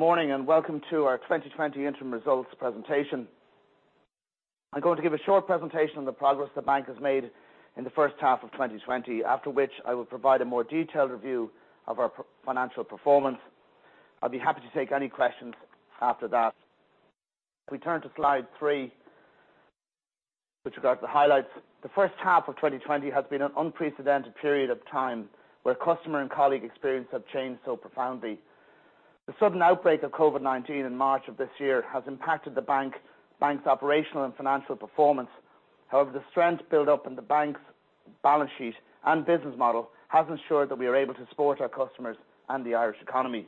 Good morning, welcome to our 2020 interim results presentation. I'm going to give a short presentation on the progress the bank has made in the first half of 2020, after which I will provide a more detailed review of our financial performance. I'll be happy to take any questions after that. If we turn to slide three, with regard to the highlights. The first half of 2020 has been an unprecedented period of time, where customer and colleague experience have changed so profoundly. The sudden outbreak of COVID-19 in March of this year has impacted the bank's operational and financial performance. The strength built up in the bank's balance sheet and business model has ensured that we are able to support our customers and the Irish economy.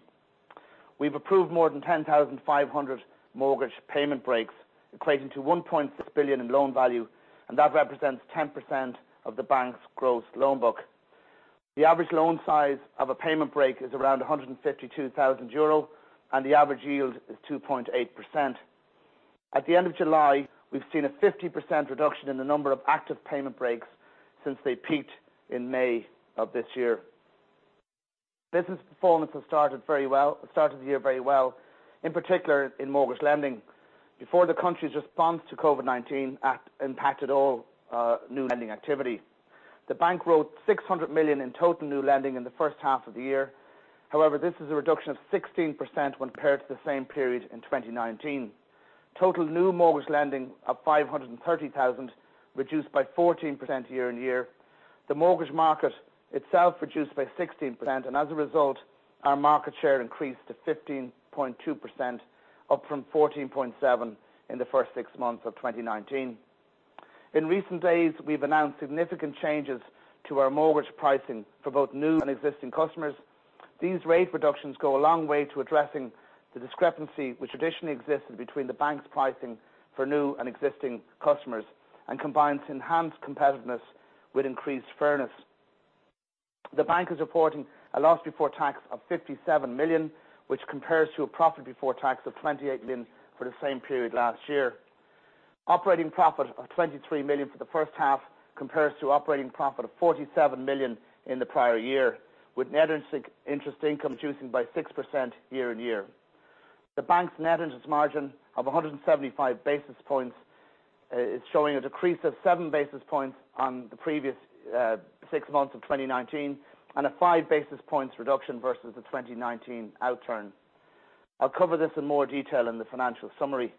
We've approved more than 10,500 mortgage payment breaks, equating to 1.6 billion in loan value, and that represents 10% of the bank's gross loan book. The average loan size of a payment break is around 152,000 euro, and the average yield is 2.8%. At the end of July, we've seen a 50% reduction in the number of active payment breaks since they peaked in May of this year. Business performance started the year very well, in particular in mortgage lending, before the country's response to COVID-19 impacted all new lending activity. The bank wrote 600 million in total new lending in the first half of the year. This is a reduction of 16% when compared to the same period in 2019. Total new mortgage lending of 530,000 reduced by 14% year-on-year. The mortgage market itself reduced by 16%, and as a result, our market share increased to 15.2%, up from 14.7% in the first six months of 2019. In recent days, we've announced significant changes to our mortgage pricing for both new and existing customers. These rate reductions go a long way to addressing the discrepancy which traditionally existed between the bank's pricing for new and existing customers, and combines enhanced competitiveness with increased fairness. The bank is reporting a loss before tax of 530 million, which compares to a profit before tax of 28 million for the same period last year. Operating profit of 23 million for the first half, compares to operating profit of 47 million in the prior year, with net interest income reducing by 6% year-on-year. The bank's net interest margin of 175 basis points is showing a decrease of seven basis points on the previous six months of 2019, and a five basis points reduction versus the 2019 outturn. I'll cover this in more detail in the financial summary.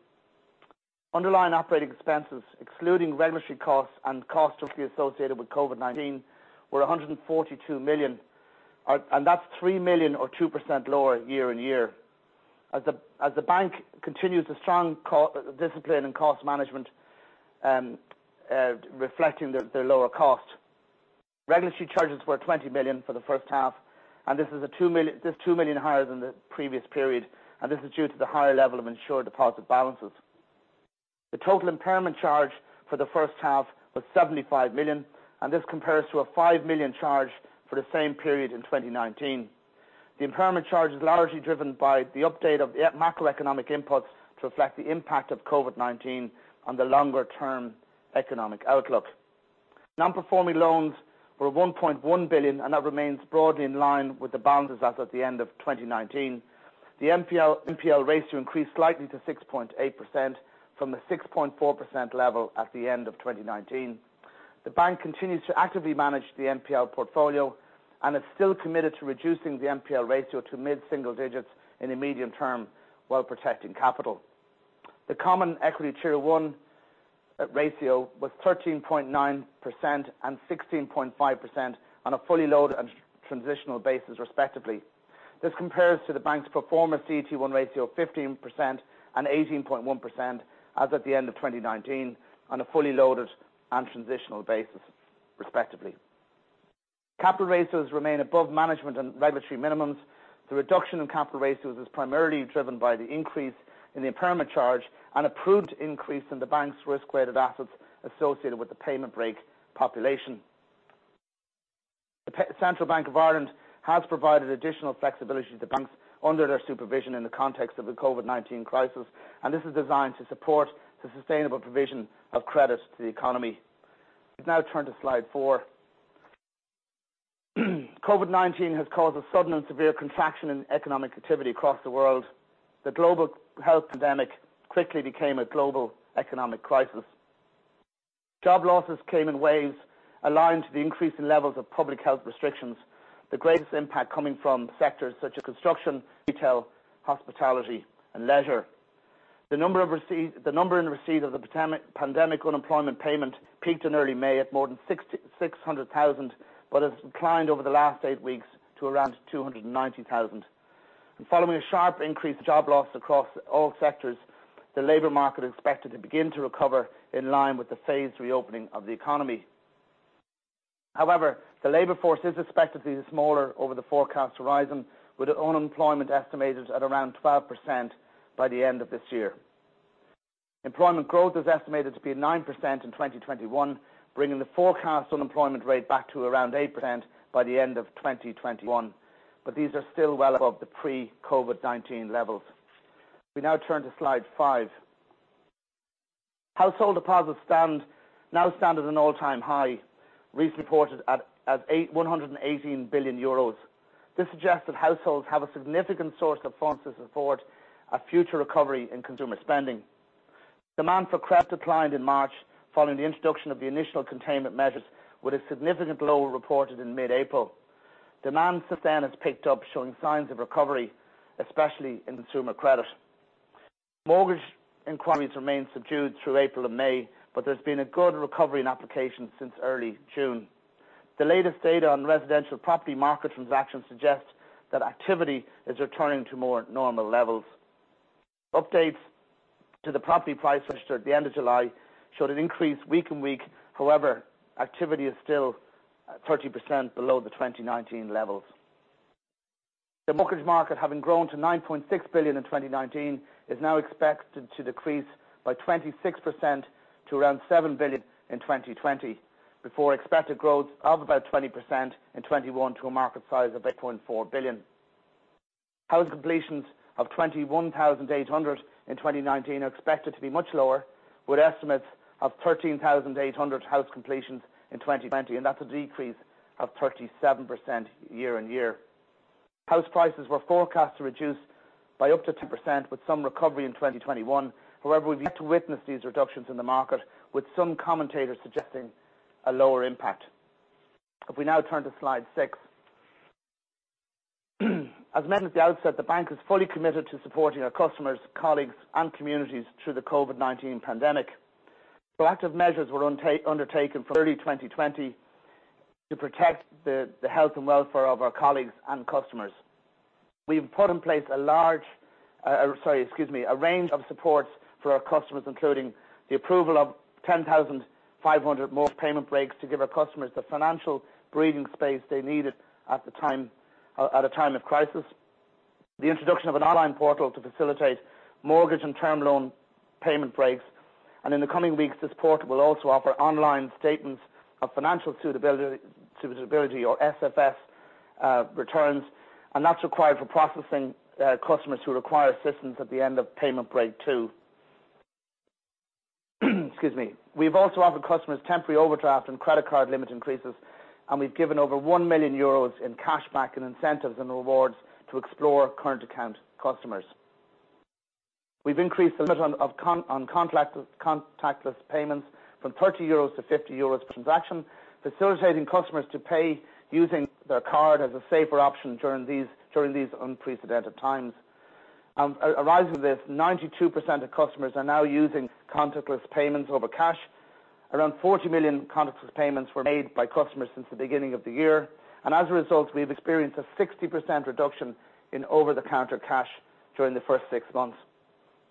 Underlying operating expenses, excluding regulatory costs and costs directly associated with COVID-19, were 142 million. That's 3 million or 2% lower year-on-year. As the bank continues a strong discipline and cost management, reflecting their lower cost. Regulatory charges were 20 million for the first half. This is 2 million higher than the previous period. This is due to the higher level of insured deposit balances. The total impairment charge for the first half was 75 million. This compares to a 5 million charge for the same period in 2019. The impairment charge is largely driven by the update of the macroeconomic inputs to reflect the impact of COVID-19 on the longer-term economic outlook. Non-performing loans were 1.1 billion, and that remains broadly in line with the balances as at the end of 2019. The NPL ratio increased slightly to 6.8%, from the 6.4% level at the end of 2019. The bank continues to actively manage the NPL portfolio and is still committed to reducing the NPL ratio to mid-single digits in the medium term while protecting capital. The Common Equity Tier 1 ratio was 13.9% and 16.5% on a fully loaded and transitional basis, respectively. This compares to the bank's proforma CET1 ratio of 15% and 18.1% as at the end of 2019 on a fully loaded and transitional basis, respectively. Capital ratios remain above management and regulatory minimums. The reduction in capital ratios is primarily driven by the increase in the impairment charge and a prudent increase in the bank's Risk-Weighted Assets associated with the payment break population. The Central Bank of Ireland has provided additional flexibility to the banks under their supervision in the context of the COVID-19 crisis. This is designed to support the sustainable provision of credit to the economy. We now turn to slide four. COVID-19 has caused a sudden and severe contraction in economic activity across the world. The global health pandemic quickly became a global economic crisis. Job losses came in waves aligned to the increasing levels of public health restrictions, the greatest impact coming from sectors such as construction, retail, hospitality, and leisure. The number in receipt of the Pandemic Unemployment Payment peaked in early May at more than 600,000, has declined over the last eight weeks to around 290,000. Following a sharp increase in job loss across all sectors, the labor market is expected to begin to recover in line with the phased reopening of the economy. However, the labor force is expected to be smaller over the forecast horizon, with unemployment estimated at around 12% by the end of this year. Employment growth is estimated to be at 9% in 2021, bringing the forecast unemployment rate back to around 8% by the end of 2021, These are still well above the pre-COVID-19 levels. We now turn to slide five. Household deposits now stand at an all-time high, recently reported at 118 billion euros. This suggests that households have a significant source of funds to support a future recovery in consumer spending. Demand for credit declined in March following the introduction of the initial containment measures, with a significant low reported in mid-April. Demand since then has picked up, showing signs of recovery, especially in consumer credit. Mortgage inquiries remained subdued through April and May. There's been a good recovery in applications since early June. The latest data on residential property market transactions suggests that activity is returning to more normal levels. Updates to the property price register at the end of July showed an increase week-on-week. However, activity is still 30% below the 2019 levels. The mortgage market, having grown to 9.6 billion in 2019, is now expected to decrease by 26% to around 7 billion in 2020, before expected growth of about 20% in 2021 to a market size of 8.4 billion. House completions of 21,800 in 2019 are expected to be much lower, with estimates of 13,800 house completions in 2020, and that's a decrease of 37% year-on-year. House prices were forecast to reduce by up to 10%, with some recovery in 2021. However, we've yet to witness these reductions in the market, with some commentators suggesting a lower impact. If we now turn to slide six. As mentioned at the outset, the bank is fully committed to supporting our customers, colleagues, and communities through the COVID-19 pandemic. Proactive measures were undertaken from early 2020 to protect the health and welfare of our colleagues and customers. We've put in place a range of supports for our customers, including the approval of 10,500 mortgage payment breaks to give our customers the financial breathing space they needed at a time of crisis, the introduction of an online portal to facilitate mortgage and term loan payment breaks, in the coming weeks, this portal will also offer online statements of financial suitability or SFS returns. That's required for processing customers who require assistance at the end of payment break, too. Excuse me. We've also offered customers temporary overdraft and credit card limit increases, we've given over 1 million euros in cash back in incentives and rewards to Explore Account customers. We've increased the limit on contactless payments from 30-50 euros per transaction, facilitating customers to pay using their card as a safer option during these unprecedented times. Arising from this, 92% of customers are now using contactless payments over cash. Around 40 million contactless payments were made by customers since the beginning of the year, and as a result, we've experienced a 60% reduction in over-the-counter cash during the first six months.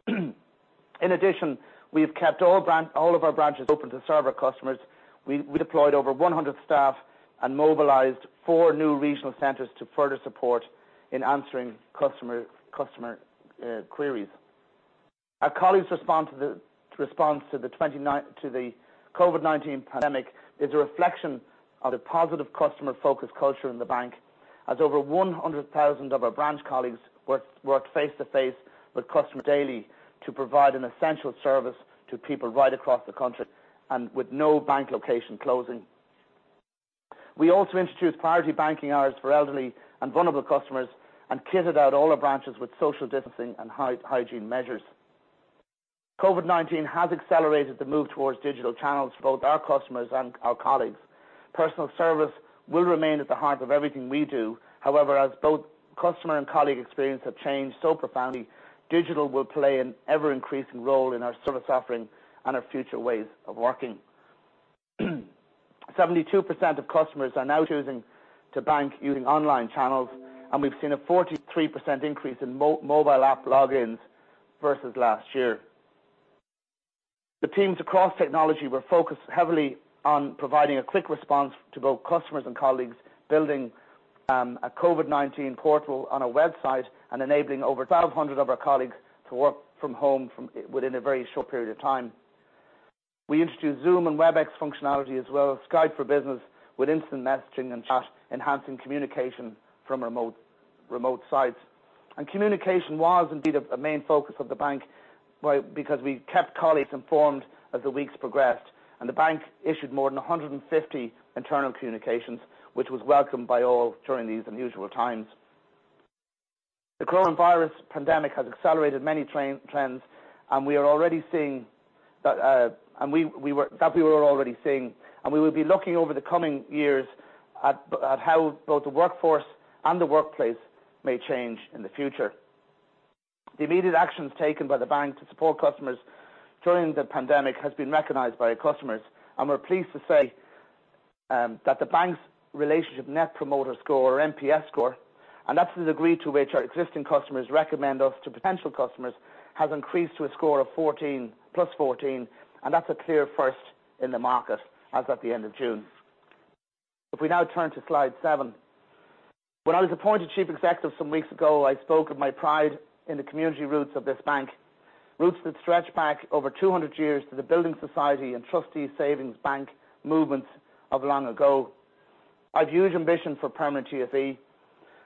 In addition, we've kept all of our branches open to serve our customers. We deployed over 100 staff and mobilized four new regional centers to further support in answering customer queries. Our colleagues' response to the COVID-19 pandemic is a reflection of the positive customer-focused culture in the bank, as over 100,000 of our branch colleagues worked face-to-face with customers daily to provide an essential service to people right across the country and with no bank location closing. We also introduced priority banking hours for elderly and vulnerable customers and kitted out all our branches with social distancing and hygiene measures. COVID-19 has accelerated the move towards digital channels for both our customers and our colleagues. Personal service will remain at the heart of everything we do. However, as both customer and colleague experience have changed so profoundly, digital will play an ever-increasing role in our service offering and our future ways of working. 72% of customers are now choosing to bank using online channels, and we've seen a 43% increase in mobile app logins versus last year. The teams across technology were focused heavily on providing a quick response to both customers and colleagues, building a COVID-19 portal on our website and enabling over 1,200 of our colleagues to work from home within a very short period of time. We introduced Zoom and Webex functionality as well as Skype for Business with instant messaging and chat, enhancing communication from remote sites. Communication was indeed a main focus of the bank because we kept colleagues informed as the weeks progressed, and the bank issued more than 150 internal communications, which was welcomed by all during these unusual times. The COVID-19 pandemic has accelerated many trends that we were already seeing, and we will be looking over the coming years at how both the workforce and the workplace may change in the future. The immediate actions taken by the bank to support customers during the pandemic has been recognized by our customers, and we're pleased to say that the bank's relationship Net Promoter Score, or NPS score, and that's the degree to which our existing customers recommend us to potential customers, has increased to a score of plus 14, and that's a clear first in the market as at the end of June. If we now turn to slide seven. When I was appointed chief executive some weeks ago, I spoke of my pride in the community roots of this bank, roots that stretch back over 200 years to the building society and trustee savings bank movements of long ago.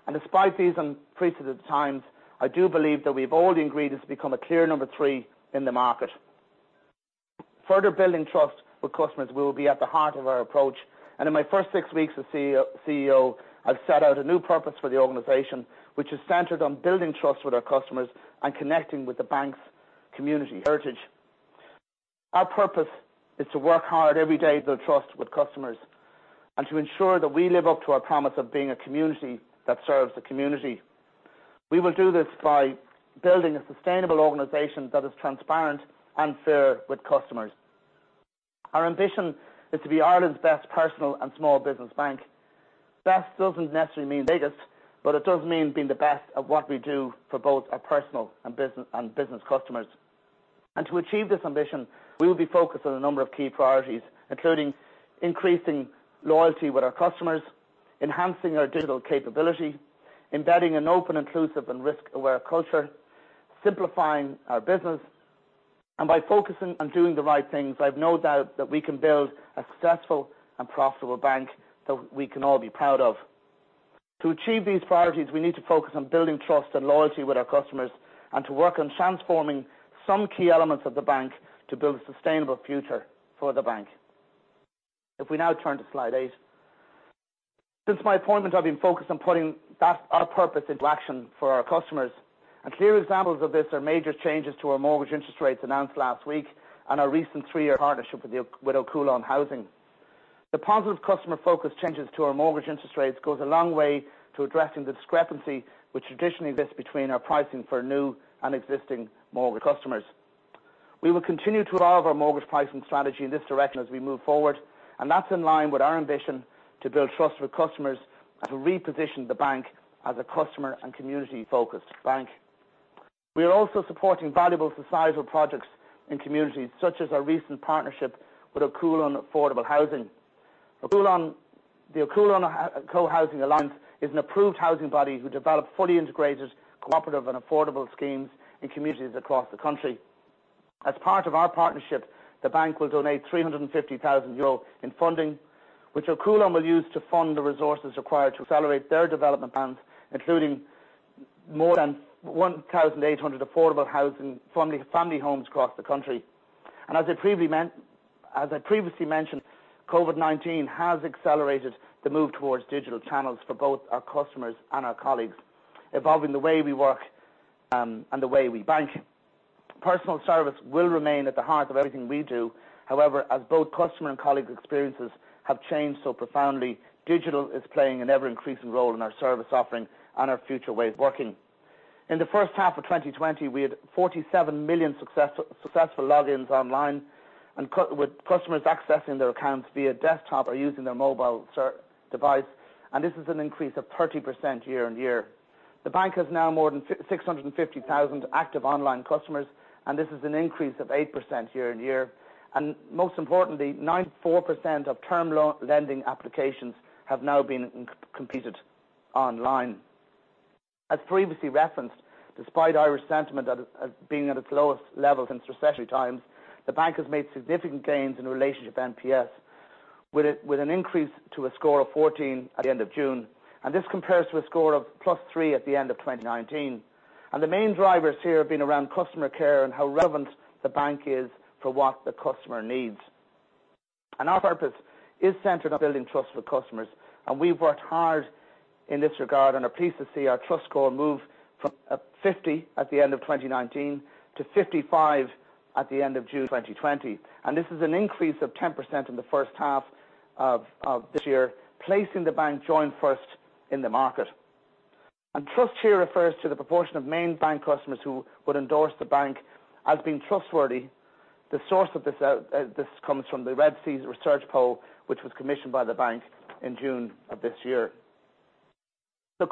Despite these unprecedented times, I do believe that we have all the ingredients to become a clear number 3 in the market. In my first six weeks as CEO, I've set out a new purpose for the organization, which is centered on building trust with our customers and connecting with the bank's community heritage. Our purpose is to work hard every day to build trust with customers and to ensure that we live up to our promise of being a community that serves the community. We will do this by building a sustainable organization that is transparent and fair with customers. Our ambition is to be Ireland's best personal and small business bank. Best doesn't necessarily mean biggest, but it does mean being the best at what we do for both our personal and business customers. To achieve this ambition, we will be focused on a number of key priorities, including increasing loyalty with our customers, enhancing our digital capability, embedding an open, inclusive, and risk-aware culture, simplifying our business. By focusing on doing the right things, I've no doubt that we can build a successful and profitable bank that we can all be proud of. To achieve these priorities, we need to focus on building trust and loyalty with our customers and to work on transforming some key elements of the bank to build a sustainable future for the bank. If we now turn to slide eight. Since my appointment, I've been focused on putting our purpose into action for our customers, and clear examples of this are major changes to our mortgage interest rates announced last week and our recent three-year partnership with Ó Cualann Housing. The positive customer focus changes to our mortgage interest rates goes a long way to addressing the discrepancy which traditionally exists between our pricing for new and existing mortgage customers. We will continue to evolve our mortgage pricing strategy in this direction as we move forward, and that's in line with our ambition to build trust with customers and to reposition the bank as a customer and community-focused bank. We are also supporting valuable societal projects in communities, such as our recent partnership with Ó Cualann Affordable Housing. The Ó Cualann Cohousing Alliance is an approved housing body who develop fully integrated, cooperative, and affordable schemes in communities across the country. As part of our partnership, the bank will donate 350,000 euro in funding, which Ó Cualann will use to fund the resources required to accelerate their development plans, including more than 1,800 affordable family homes across the country. As I previously mentioned, COVID-19 has accelerated the move towards digital channels for both our customers and our colleagues, evolving the way we work, and the way we bank. Personal service will remain at the heart of everything we do. However, as both customer and colleague experiences have changed so profoundly, digital is playing an ever-increasing role in our service offering and our future ways of working. In the first half of 2020, we had 47 million successful logins online, with customers accessing their accounts via desktop or using their mobile device. This is an increase of 30% year-over-year. The bank has now more than 650,000 active online customers. This is an increase of 8% year-over-year. Most importantly, 94% of term lending applications have now been completed online. As previously referenced, despite Irish sentiment being at its lowest level since recessionary times, the bank has made significant gains in relationship NPS, with an increase to a score of 14 at the end of June. This compares to a score of +3 at the end of 2019. The main drivers here have been around customer care and how relevant the bank is for what the customer needs. Our purpose is centered on building trust with customers, and we've worked hard in this regard and are pleased to see our trust score move from 50 at the end of 2019 to 55 at the end of June 2020. This is an increase of 10% in the first half of this year, placing the bank joint first in the market. Trust here refers to the proportion of main bank customers who would endorse the bank as being trustworthy. The source of this comes from the RED C research poll, which was commissioned by the bank in June of this year.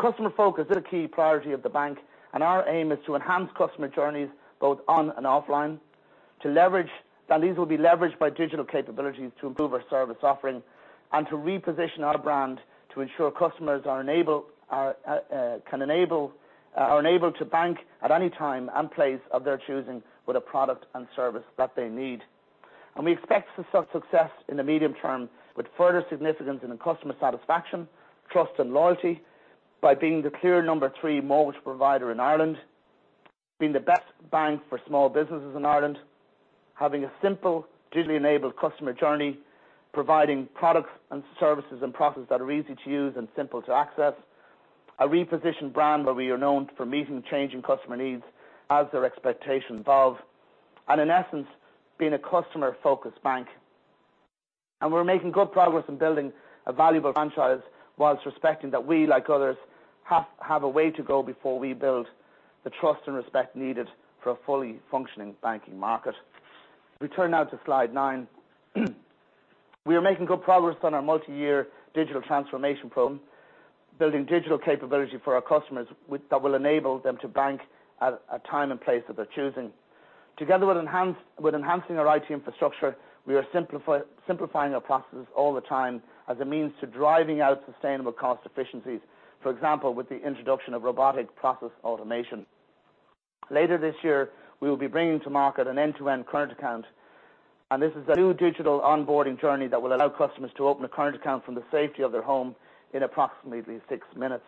Customer focus is a key priority of the bank, and our aim is to enhance customer journeys, both on and offline. These will be leveraged by digital capabilities to improve our service offering and to reposition our brand to ensure customers are enabled to bank at any time and place of their choosing with a product and service that they need. We expect success in the medium term with further significance in customer satisfaction, trust, and loyalty by being the clear number 3 mortgage provider in Ireland, being the best bank for small businesses in Ireland, having a simple, digitally enabled customer journey, providing products and services and processes that are easy to use and simple to access, a repositioned brand where we are known for meeting changing customer needs as their expectations evolve, and in essence, being a customer-focused bank. We're making good progress in building a valuable franchise while respecting that we, like others, have a way to go before we build the trust and respect needed for a fully functioning banking market. If we turn now to slide nine. We are making good progress on our multi-year digital transformation program, building digital capability for our customers that will enable them to bank at a time and place of their choosing. Together with enhancing our IT infrastructure, we are simplifying our processes all the time as a means to driving out sustainable cost efficiencies, for example, with the introduction of robotic process automation. Later this year, we will be bringing to market an end-to-end current account. This is a new digital onboarding journey that will allow customers to open a current account from the safety of their home in approximately six minutes.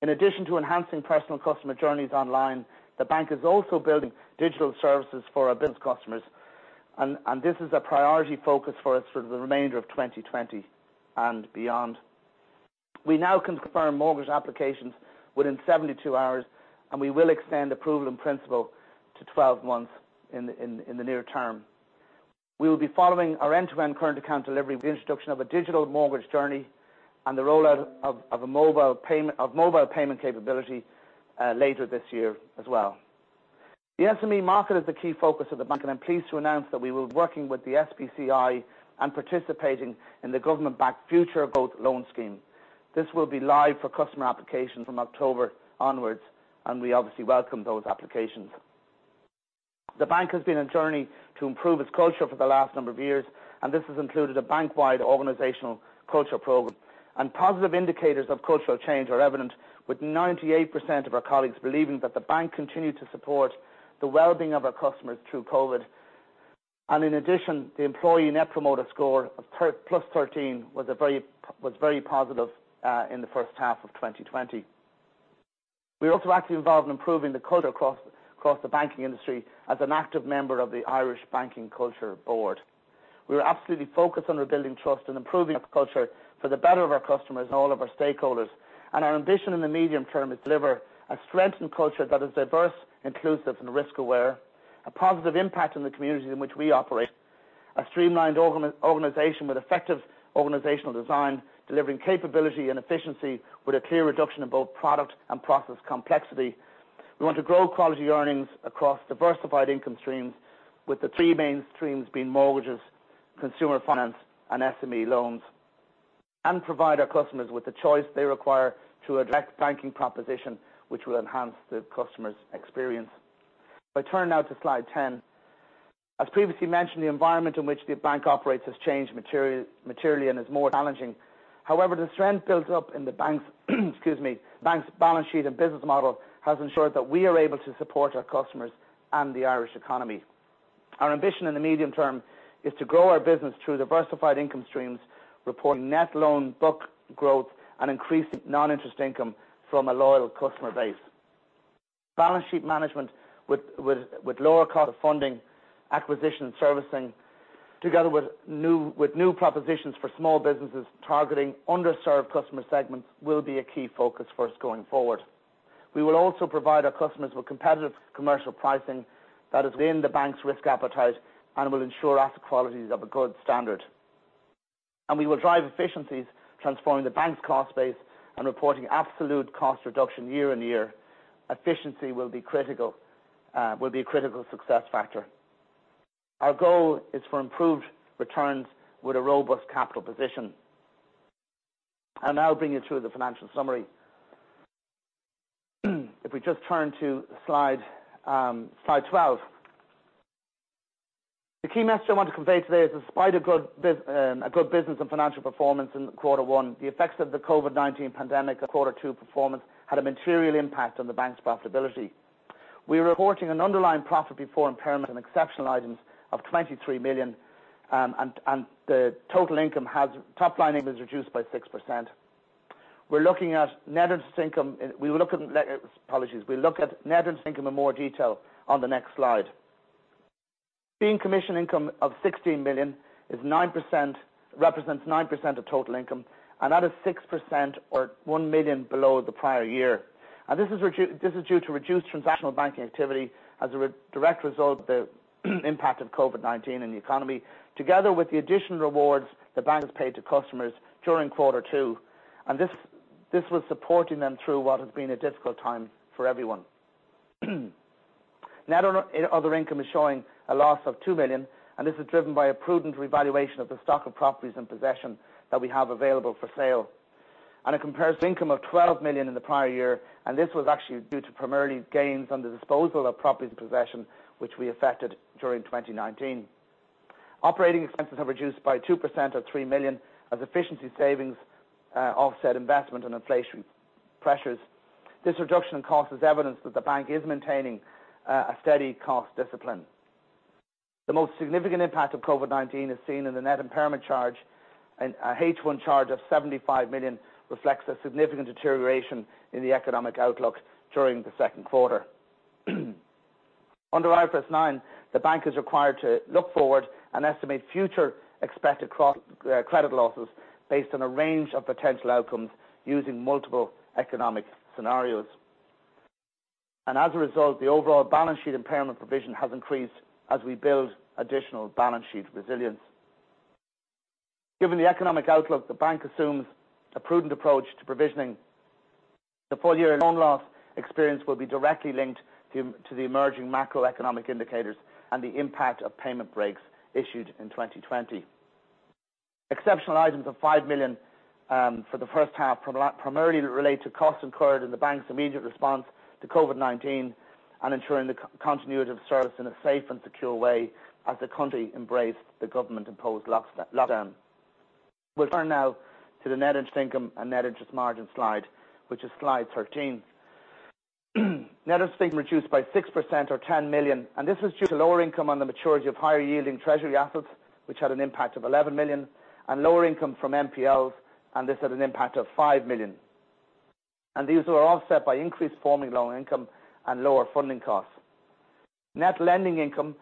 In addition to enhancing personal customer journeys online, the bank is also building digital services for our business customers. This is a priority focus for us for the remainder of 2020 and beyond. We now can confirm mortgage applications within 72 hours, and we will extend approval in principle to 12 months in the near term. We will be following our end-to-end current account delivery with the introduction of a digital mortgage journey and the rollout of mobile payment capability later this year as well. The SME market is the key focus of the bank, and I'm pleased to announce that we will be working with the SBCI and participating in the government-backed Future Growth Loan Scheme. This will be live for customer applications from October onwards, and we obviously welcome those applications. The bank has been on a journey to improve its culture for the last number of years. This has included a bank-wide organizational cultural program. Positive indicators of cultural change are evident, with 98% of our colleagues believing that the bank continued to support the well-being of our customers through COVID. In addition, the employee Net Promoter Score of +13 was very positive in the first half of 2020. We are also actively involved in improving the culture across the banking industry as an active member of the Irish Banking Culture Board. We are absolutely focused on rebuilding trust and improving our culture for the better of our customers and all of our stakeholders. Our ambition in the medium term is to deliver a strengthened culture that is diverse, inclusive and risk aware, a positive impact in the communities in which we operate, a streamlined organization with effective organizational design, delivering capability and efficiency with a clear reduction in both product and process complexity. We want to grow quality earnings across diversified income streams, with the three main streams being mortgages, consumer finance, and SME loans. Provide our customers with the choice they require through a direct banking proposition which will enhance the customer's experience. If I turn now to slide 10. As previously mentioned, the environment in which the bank operates has changed materially and is more challenging. However, the strength built up in the bank's excuse me, balance sheet and business model has ensured that we are able to support our customers and the Irish economy. Our ambition in the medium term is to grow our business through diversified income streams, reporting net loans, book growth, and increasing non-interest income from a loyal customer base. Balance sheet management with lower cost of funding, acquisition, servicing, together with new propositions for small businesses, targeting underserved customer segments will be a key focus for us going forward. We will also provide our customers with competitive commercial pricing that is within the bank's risk appetite and will ensure asset quality is of a good standard. We will drive efficiencies, transforming the bank's cost base and reporting absolute cost reduction year on year. Efficiency will be a critical success factor. Our goal is for improved returns with a robust capital position. I'll now bring you through the financial summary. If we just turn to slide 12. The key message I want to convey today is, despite a good business and financial performance in quarter one, the effects of the COVID-19 pandemic on quarter two performance had a material impact on the bank's profitability. We are reporting an underlying profit before impairments and exceptional items of 23 million. The top line income is reduced by 6%. We'll look at net interest income in more detail on the next slide. Fee and commission income of 16 million represents 9% of total income. That is 6%, or 1 million below the prior year. This is due to reduced transactional banking activity as a direct result of the impact of COVID-19 in the economy, together with the additional rewards the bank has paid to customers during quarter two. This was supporting them through what has been a difficult time for everyone. Net other income is showing a loss of 2 million. This is driven by a prudent revaluation of the stock of properties and possession that we have available for sale. It compares income of 12 million in the prior year. This was actually due to primarily gains on the disposal of properties in possession, which we effected during 2019. Operating expenses have reduced by 2%, or 3 million, as efficiency savings offset investment and inflation pressures. This reduction in cost is evidence that the bank is maintaining a steady cost discipline. The most significant impact of COVID-19 is seen in the net impairment charge. Our H1 charge of 75 million reflects a significant deterioration in the economic outlook during the second quarter. Under IFRS 9, the bank is required to look forward and estimate future expected credit losses based on a range of potential outcomes using multiple economic scenarios. As a result, the overall balance sheet impairment provision has increased as we build additional balance sheet resilience. Given the economic outlook, the bank assumes a prudent approach to provisioning. The full-year loan loss experience will be directly linked to the emerging macroeconomic indicators and the impact of payment breaks issued in 2020. Exceptional items of 5 million for the first half primarily relate to costs incurred in the bank's immediate response to COVID-19 and ensuring the continuity of service in a safe and secure way as the country embraced the government-imposed lockdown. We'll turn now to the net interest income and net interest margin slide, which is slide 13. Net interest income reduced by 6% or 10 million, and this was due to lower income on the maturity of higher yielding treasury assets, which had an impact of 11 million, and lower income from NPLs, and this had an impact of 5 million. These were offset by increased performing loan income and lower funding costs. Net lending income,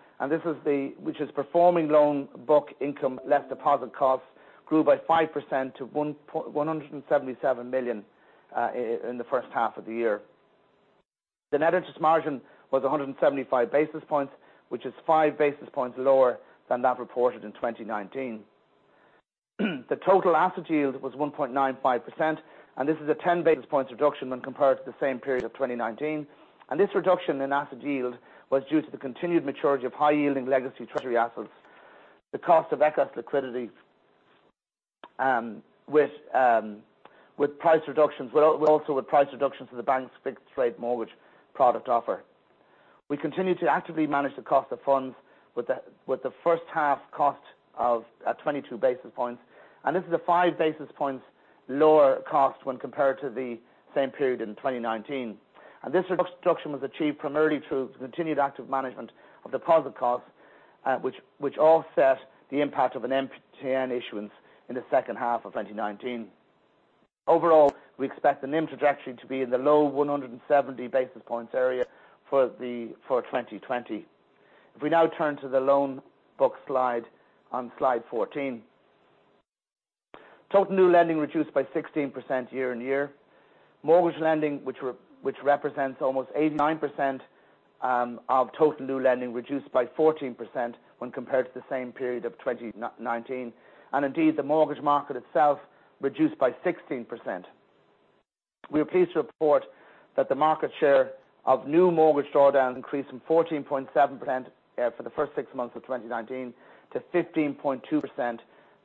which is performing loan book income less deposit costs, grew by 5% to 177 million in the first half of the year. The net interest margin was 175 basis points, which is five basis points lower than that reported in 2019. The total asset yield was 1.95%. This is a 10 basis point reduction when compared to the same period of 2019. This reduction in asset yield was due to the continued maturity of high yielding legacy treasury assets, the cost of excess liquidity, also with price reductions to the bank's fixed rate mortgage product offer. We continue to actively manage the cost of funds with the first half cost of at 22 basis points, this is a five basis point lower cost when compared to the same period in 2019. This reduction was achieved primarily through continued active management of deposit costs which offset the impact of an MTPN issuance in the second half of 2019. Overall, we expect the NIM trajectory to be in the low 170 basis points area for 2020. If we now turn to the loan book slide on slide 14. Total new lending reduced by 16% year-on-year. Mortgage lending, which represents almost 89% of total new lending, reduced by 14% when compared to the same period of 2019. The mortgage market itself reduced by 16%. We are pleased to report that the market share of new mortgage drawdowns increased from 14.7% for the first six months of 2019 to 15.2%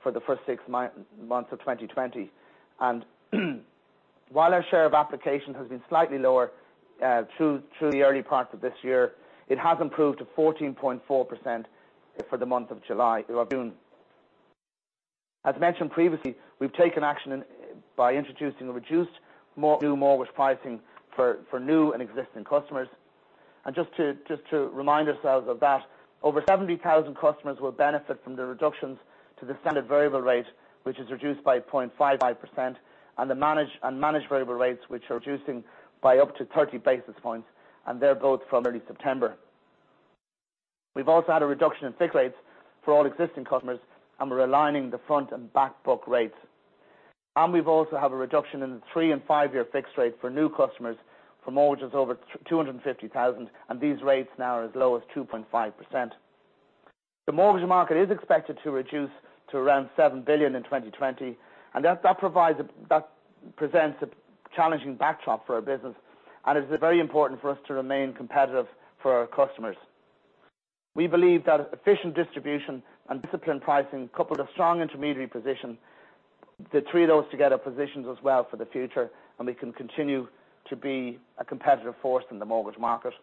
for the first six months of 2020. While our share of application has been slightly lower through the early parts of this year, it has improved to 14.4% for the month of June. As mentioned previously, we've taken action by introducing a reduced new mortgage pricing for new and existing customers. Just to remind ourselves of that, over 70,000 customers will benefit from the reductions to the standard variable rate, which is reduced by 0.55%, and the managed variable rates, which are reducing by up to 30 basis points, and they're both from early September. We've also had a reduction in fixed rates for all existing customers, and we're aligning the front and back book rates. We've also have a reduction in the three and five-year fixed rate for new customers for mortgages over 250,000, and these rates now are as low as 2.5%. The mortgage market is expected to reduce to around 7 billion in 2020, and that presents a challenging backdrop for our business, and it's very important for us to remain competitive for our customers. We believe that efficient distribution and disciplined pricing, coupled a strong intermediary position, the three of those together positions us well for the future, and we can continue to be a competitive force in the mortgage market.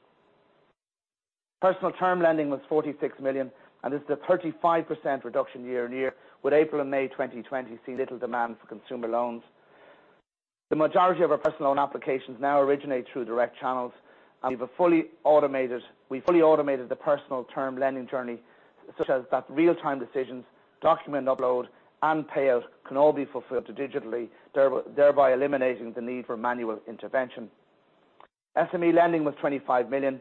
Personal term lending was 46 million, and this is a 35% reduction year-on-year, with April and May 2020 seeing little demand for consumer loans. The majority of our personal loan applications now originate through direct channels, and we've fully automated the personal term lending journey such as that real-time decisions, document upload, and payout can all be fulfilled digitally, thereby eliminating the need for manual intervention. SME lending was 25 million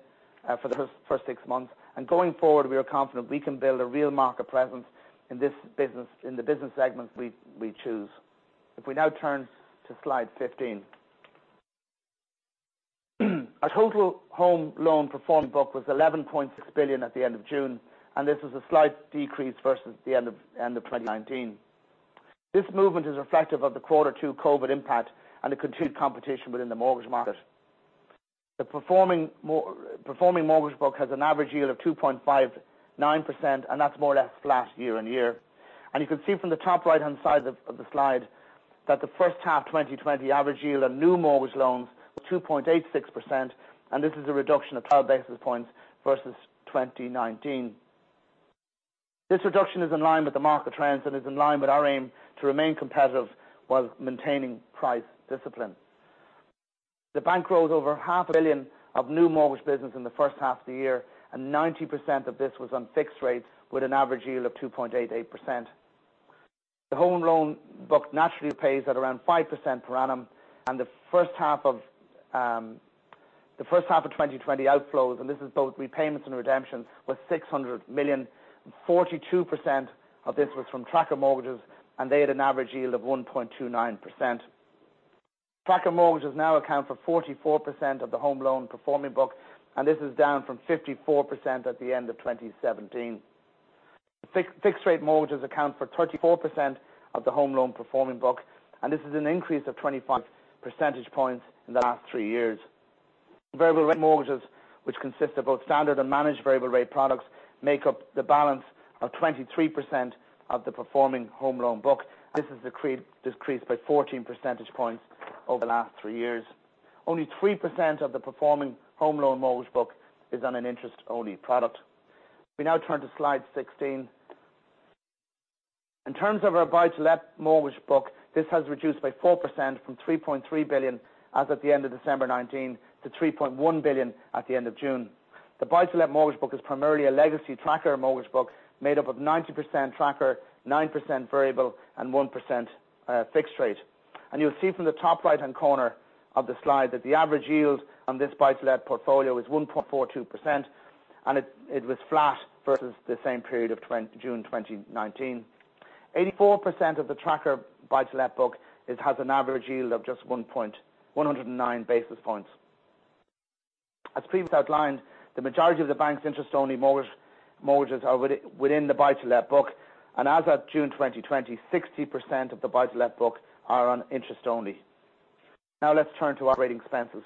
for the first six months, and going forward, we are confident we can build a real market presence in the business segments we choose. If we now turn to slide 15. Our total home loan performing book was 11.6 billion at the end of June, and this was a slight decrease versus the end of 2019. This movement is reflective of the quarter two COVID impact and the continued competition within the mortgage market. The performing mortgage book has an average yield of 2.59%, and that's more or less flat year-on-year. You can see from the top right-hand side of the slide that the first half 2020 average yield on new mortgage loans was 2.86%, and this is a reduction of five basis points versus 2019. This reduction is in line with the market trends and is in line with our aim to remain competitive while maintaining price discipline. The bank wrote over half a billion of new mortgage business in the first half of the year, and 90% of this was on fixed rates with an average yield of 2.88%. The home loan book naturally repays at around 5% per annum, and the H1 2020 outflows, and this is both repayments and redemptions, was 600 million, and 42% of this was from tracker mortgages, and they had an average yield of 1.29%. Tracker mortgages now account for 44% of the home loan performing book, and this is down from 54% at the end of 2017. Fixed rate mortgages account for 34% of the home loan performing book, and this is an increase of 25 percentage points in the last three years. Variable rate mortgages, which consist of both standard and managed variable rate products, make up the balance of 23% of the performing home loan book. This has decreased by 14 percentage points over the last three years. Only 3% of the performing home loan mortgage book is on an interest-only product. We now turn to slide 16. In terms of our buy-to-let mortgage book, this has reduced by 4% from 3.3 billion as at the end of December 2019 to 3.1 billion at the end of June. The buy-to-let mortgage book is primarily a legacy tracker mortgage book made up of 90% tracker, 9% variable, and 1% fixed rate. You'll see from the top right-hand corner of the slide that the average yield on this buy-to-let portfolio is 1.42%, and it was flat versus the same period of June 2019. 84% of the tracker buy-to-let book has an average yield of just 109 basis points. As previously outlined, the majority of the bank's interest-only mortgages are within the buy-to-let book, and as at June 2020, 60% of the buy-to-let book are on interest only. Let's turn to operating expenses.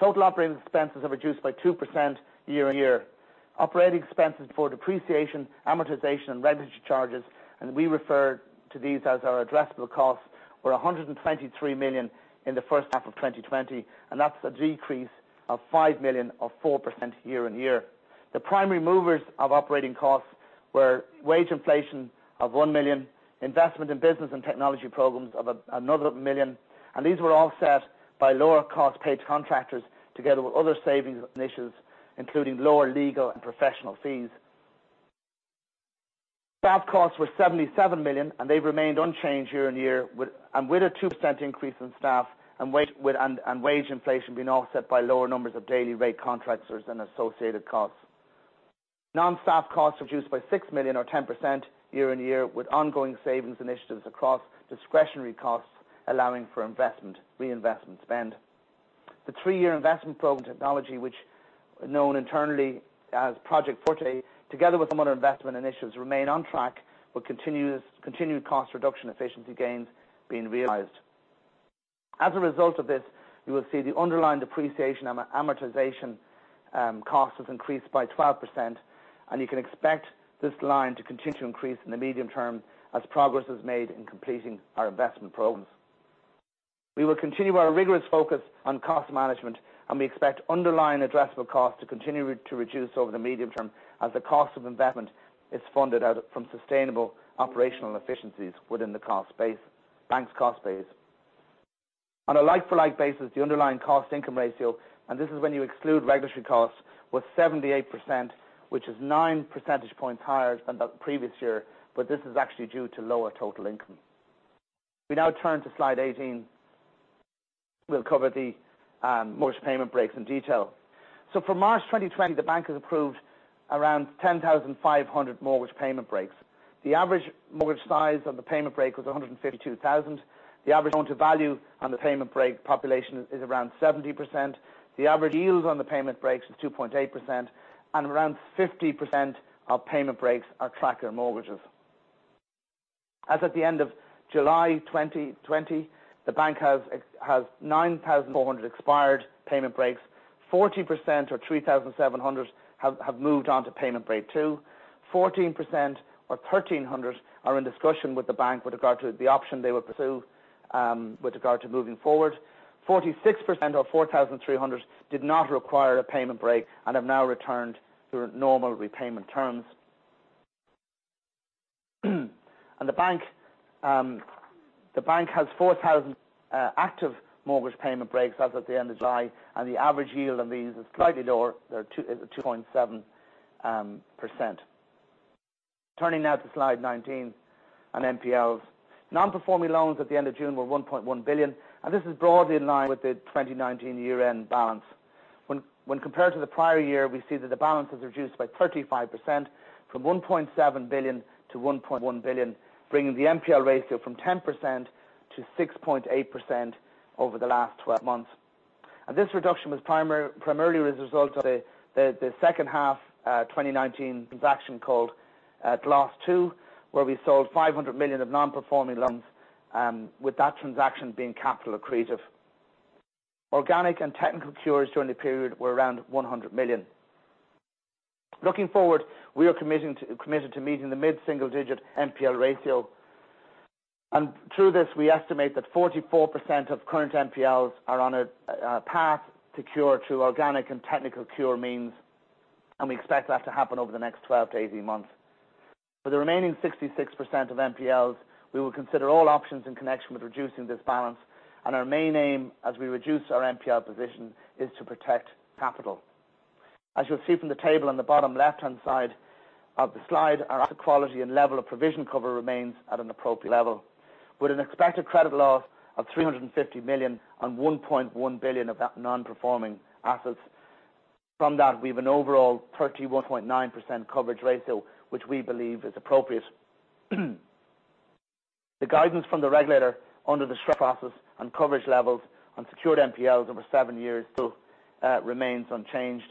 Total operating expenses have reduced by 2% year-on-year. Operating expenses before depreciation, amortization, and regulatory charges, we refer to these as our addressable costs, were 123 million in the first half of 2020, that's a decrease of 5 million or 4% year-on-year. The primary movers of operating costs were wage inflation of 1 million, investment in business and technology programs of 1 million, these were offset by lower costs paid to contractors, together with other savings initiatives, including lower legal and professional fees. Staff costs were 77 million, and they remained unchanged year-on-year and with a 2% increase in staff and wage inflation being offset by lower numbers of daily rate contractors and associated costs. Non-staff costs reduced by 6 million or 10% year-on-year, with ongoing savings initiatives across discretionary costs allowing for reinvestment spend. The three-year investment program technology, which known internally as Project Forte, together with some other investment initiatives remain on track with continued cost reduction efficiency gains being realized. As a result of this, you will see the underlying depreciation and amortization cost has increased by 12%, and you can expect this line to continue to increase in the medium term as progress is made in completing our investment programs. We will continue our rigorous focus on cost management, we expect underlying addressable costs to continue to reduce over the medium term as the cost of investment is funded from sustainable operational efficiencies within the bank's cost base. On a like-for-like basis, the underlying cost income ratio, this is when you exclude regulatory costs, was 78%, which is 9 percentage points higher than the previous year, this is actually due to lower total income. We now turn to slide 18. For March 2020, the bank has approved around 10,500 mortgage payment breaks. The average mortgage size of the payment break was 152,000. The average loan-to-value on the payment break population is around 70%. The average yields on the payment breaks is 2.8%, around 50% of payment breaks are tracker mortgages. As at the end of July 2020, the bank has 9,400 expired payment breaks, 40% or 3,700 have moved on to payment break 2, 14% or 1,300 are in discussion with the bank with regard to the option they will pursue with regard to moving forward. 46% or 4,300 did not require a payment break and have now returned to their normal repayment terms. The bank has 4,000 active mortgage payment breaks as at the end of July, the average yield on these is slightly lower, they're at 2.7%. Turning now to slide 19 on NPLs. Non-performing loans at the end of June were 1.1 billion, this is broadly in line with the 2019 year-end balance. When compared to the prior year, we see that the balance has reduced by 35% from 1.7 billion to 1.1 billion, bringing the NPL ratio from 10% to 6.8% over the last 12 months. This reduction was primarily as a result of the second half 2019 transaction called GLAS II, where we sold 500 million of non-performing loans, with that transaction being capital accretive. Organic and technical cures during the period were around 100 million. Looking forward, we are committed to meeting the mid-single-digit NPL ratio. Through this, we estimate that 44% of current NPLs are on a path to cure through organic and technical cure means, and we expect that to happen over the next 12-18 months. For the remaining 66% of NPLs, we will consider all options in connection with reducing this balance. Our main aim as we reduce our NPL position is to protect capital. As you'll see from the table on the bottom left-hand side of the slide, our asset quality and level of provision cover remains at an appropriate level, with an Expected Credit Loss of 350 million on 1.1 billion of that non-performing assets. From that, we have an overall 31.9% coverage ratio, which we believe is appropriate. The guidance from the regulator under the stress process and coverage levels on secured NPLs over seven years still remains unchanged.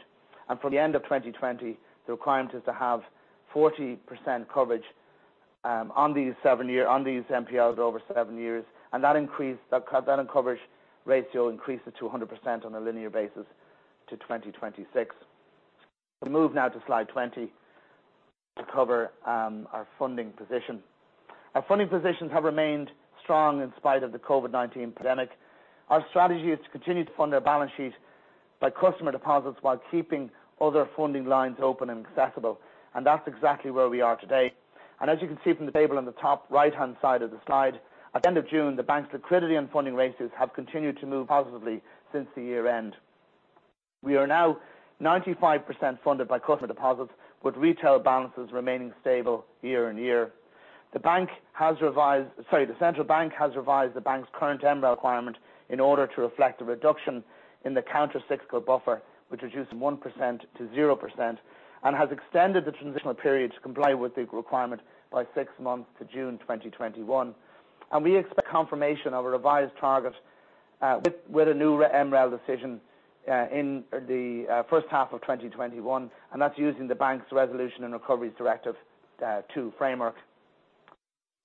For the end of 2020, the requirement is to have 40% coverage on these NPLs over seven years. That coverage ratio increases to 100% on a linear basis to 2026. We move now to slide 20. To cover our funding position. Our funding positions have remained strong in spite of the COVID-19 pandemic. Our strategy is to continue to fund our balance sheet by customer deposits while keeping other funding lines open and accessible. That's exactly where we are today. As you can see from the table on the top right-hand side of the slide, at the end of June, the bank's liquidity and funding ratios have continued to move positively since the year-end. We are now 95% funded by customer deposits, with retail balances remaining stable year-on-year. The Central Bank has revised the bank's current MREL requirement in order to reflect a reduction in the countercyclical buffer, which reduced from 1% to 0%, and has extended the transitional period to comply with the requirement by six months to June 2021. We expect confirmation of a revised target, with a new MREL decision, in the first half of 2021, and that's using the bank's Resolution and Recovery Directive II framework.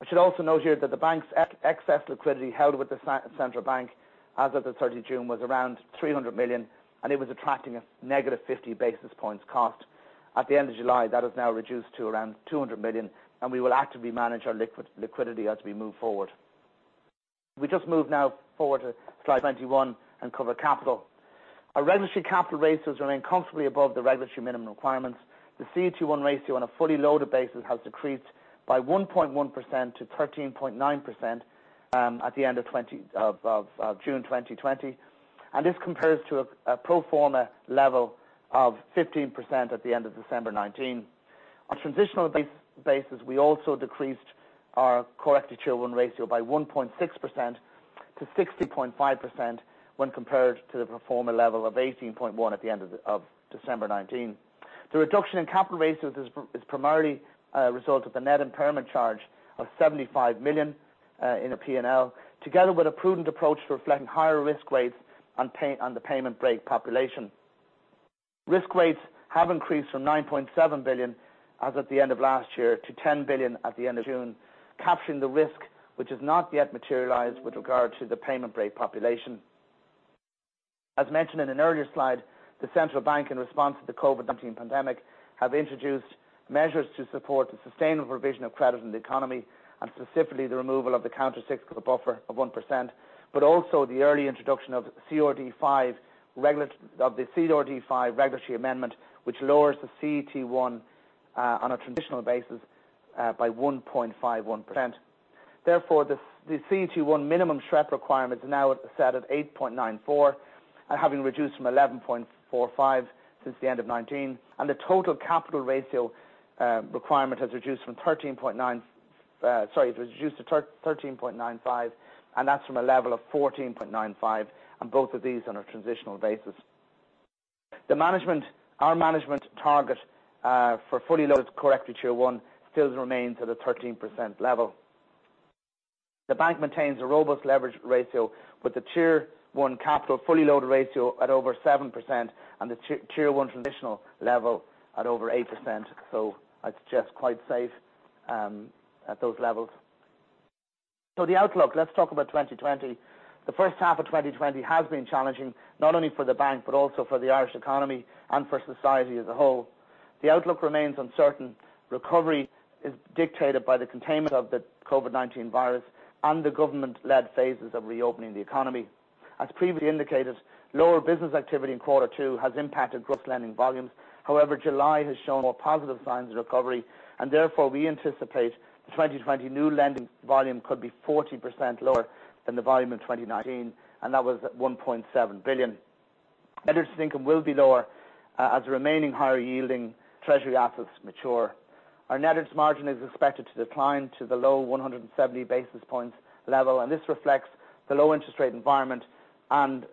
I should also note here that the bank's excess liquidity held with the central bank as of the 30th June was around 300 million, and it was attracting a negative 50 basis points cost. At the end of July, that has now reduced to around 200 million, and we will actively manage our liquidity as we move forward. If we just move now forward to slide 21 and cover capital. Our regulatory capital ratios remain comfortably above the regulatory minimum requirements. The CET1 ratio on a fully loaded basis has decreased by 1.1%-13.9%, at the end of June 2020, and this compares to a pro forma level of 15% at the end of December 2019. On a transitional basis, we also decreased our core CET1 ratio by 1.6%-60.5% when compared to the pro forma level of 18.1 at the end of December 2019. The reduction in capital ratios is primarily a result of the net impairment charge of 75 million in the P&L, together with a prudent approach to reflecting higher risk weights on the payment break population. Risk weights have increased from 9.7 billion as of the end of last year to 10 billion at the end of June, capturing the risk which has not yet materialized with regard to the payment break population. As mentioned in an earlier slide, the Central Bank, in response to the COVID-19 pandemic, have introduced measures to support the sustainable provision of credit in the economy and specifically the removal of the countercyclical buffer of 1%, but also the early introduction of the CRD V regulatory amendment, which lowers the CET1, on a transitional basis, by 1.51%. The CET1 minimum SREP requirement is now set at 8.94% and having reduced from 11.45% since the end of 2019. The total capital ratio requirement was reduced to 13.95%, and that's from a level of 14.95%, and both of these on a transitional basis. Our management target, for fully loaded core CET1 still remains at a 13% level. The bank maintains a robust leverage ratio with the Tier 1 capital fully loaded ratio at over 7% and the Tier 1 transitional level at over 8%. It's just quite safe, at those levels. The outlook, let's talk about 2020. The first half of 2020 has been challenging, not only for the bank, but also for the Irish economy and for society as a whole. The outlook remains uncertain. Recovery is dictated by the containment of the COVID-19 virus and the government-led phases of reopening the economy. As previously indicated, lower business activity in quarter two has impacted gross lending volumes. However, July has shown more positive signs of recovery, and therefore we anticipate the 2020 new lending volume could be 40% lower than the volume in 2019, and that was at 1.7 billion. Interest income will be lower, as the remaining higher yielding treasury assets mature. Our net interest margin is expected to decline to the low 170 basis points level. This reflects the low interest rate environment and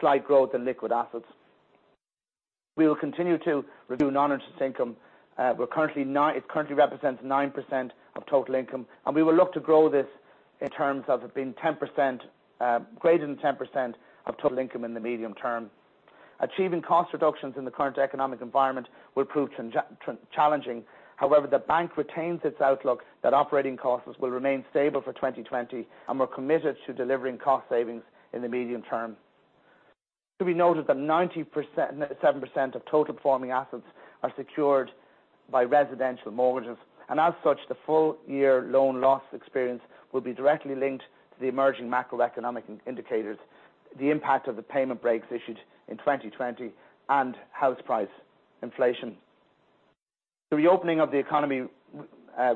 slight growth in liquid assets. We will continue to review non-interest income. It currently represents 9% of total income. We will look to grow this in terms of it being 10%, greater than 10% of total income in the medium term. Achieving cost reductions in the current economic environment will prove challenging. However, the bank retains its outlook that operating costs will remain stable for 2020. We're committed to delivering cost savings in the medium term. To be noted that 97% of total performing assets are secured by residential mortgages, and as such, the full year loan loss experience will be directly linked to the emerging macroeconomic indicators, the impact of the payment breaks issued in 2020, and house price inflation. The reopening of the economy,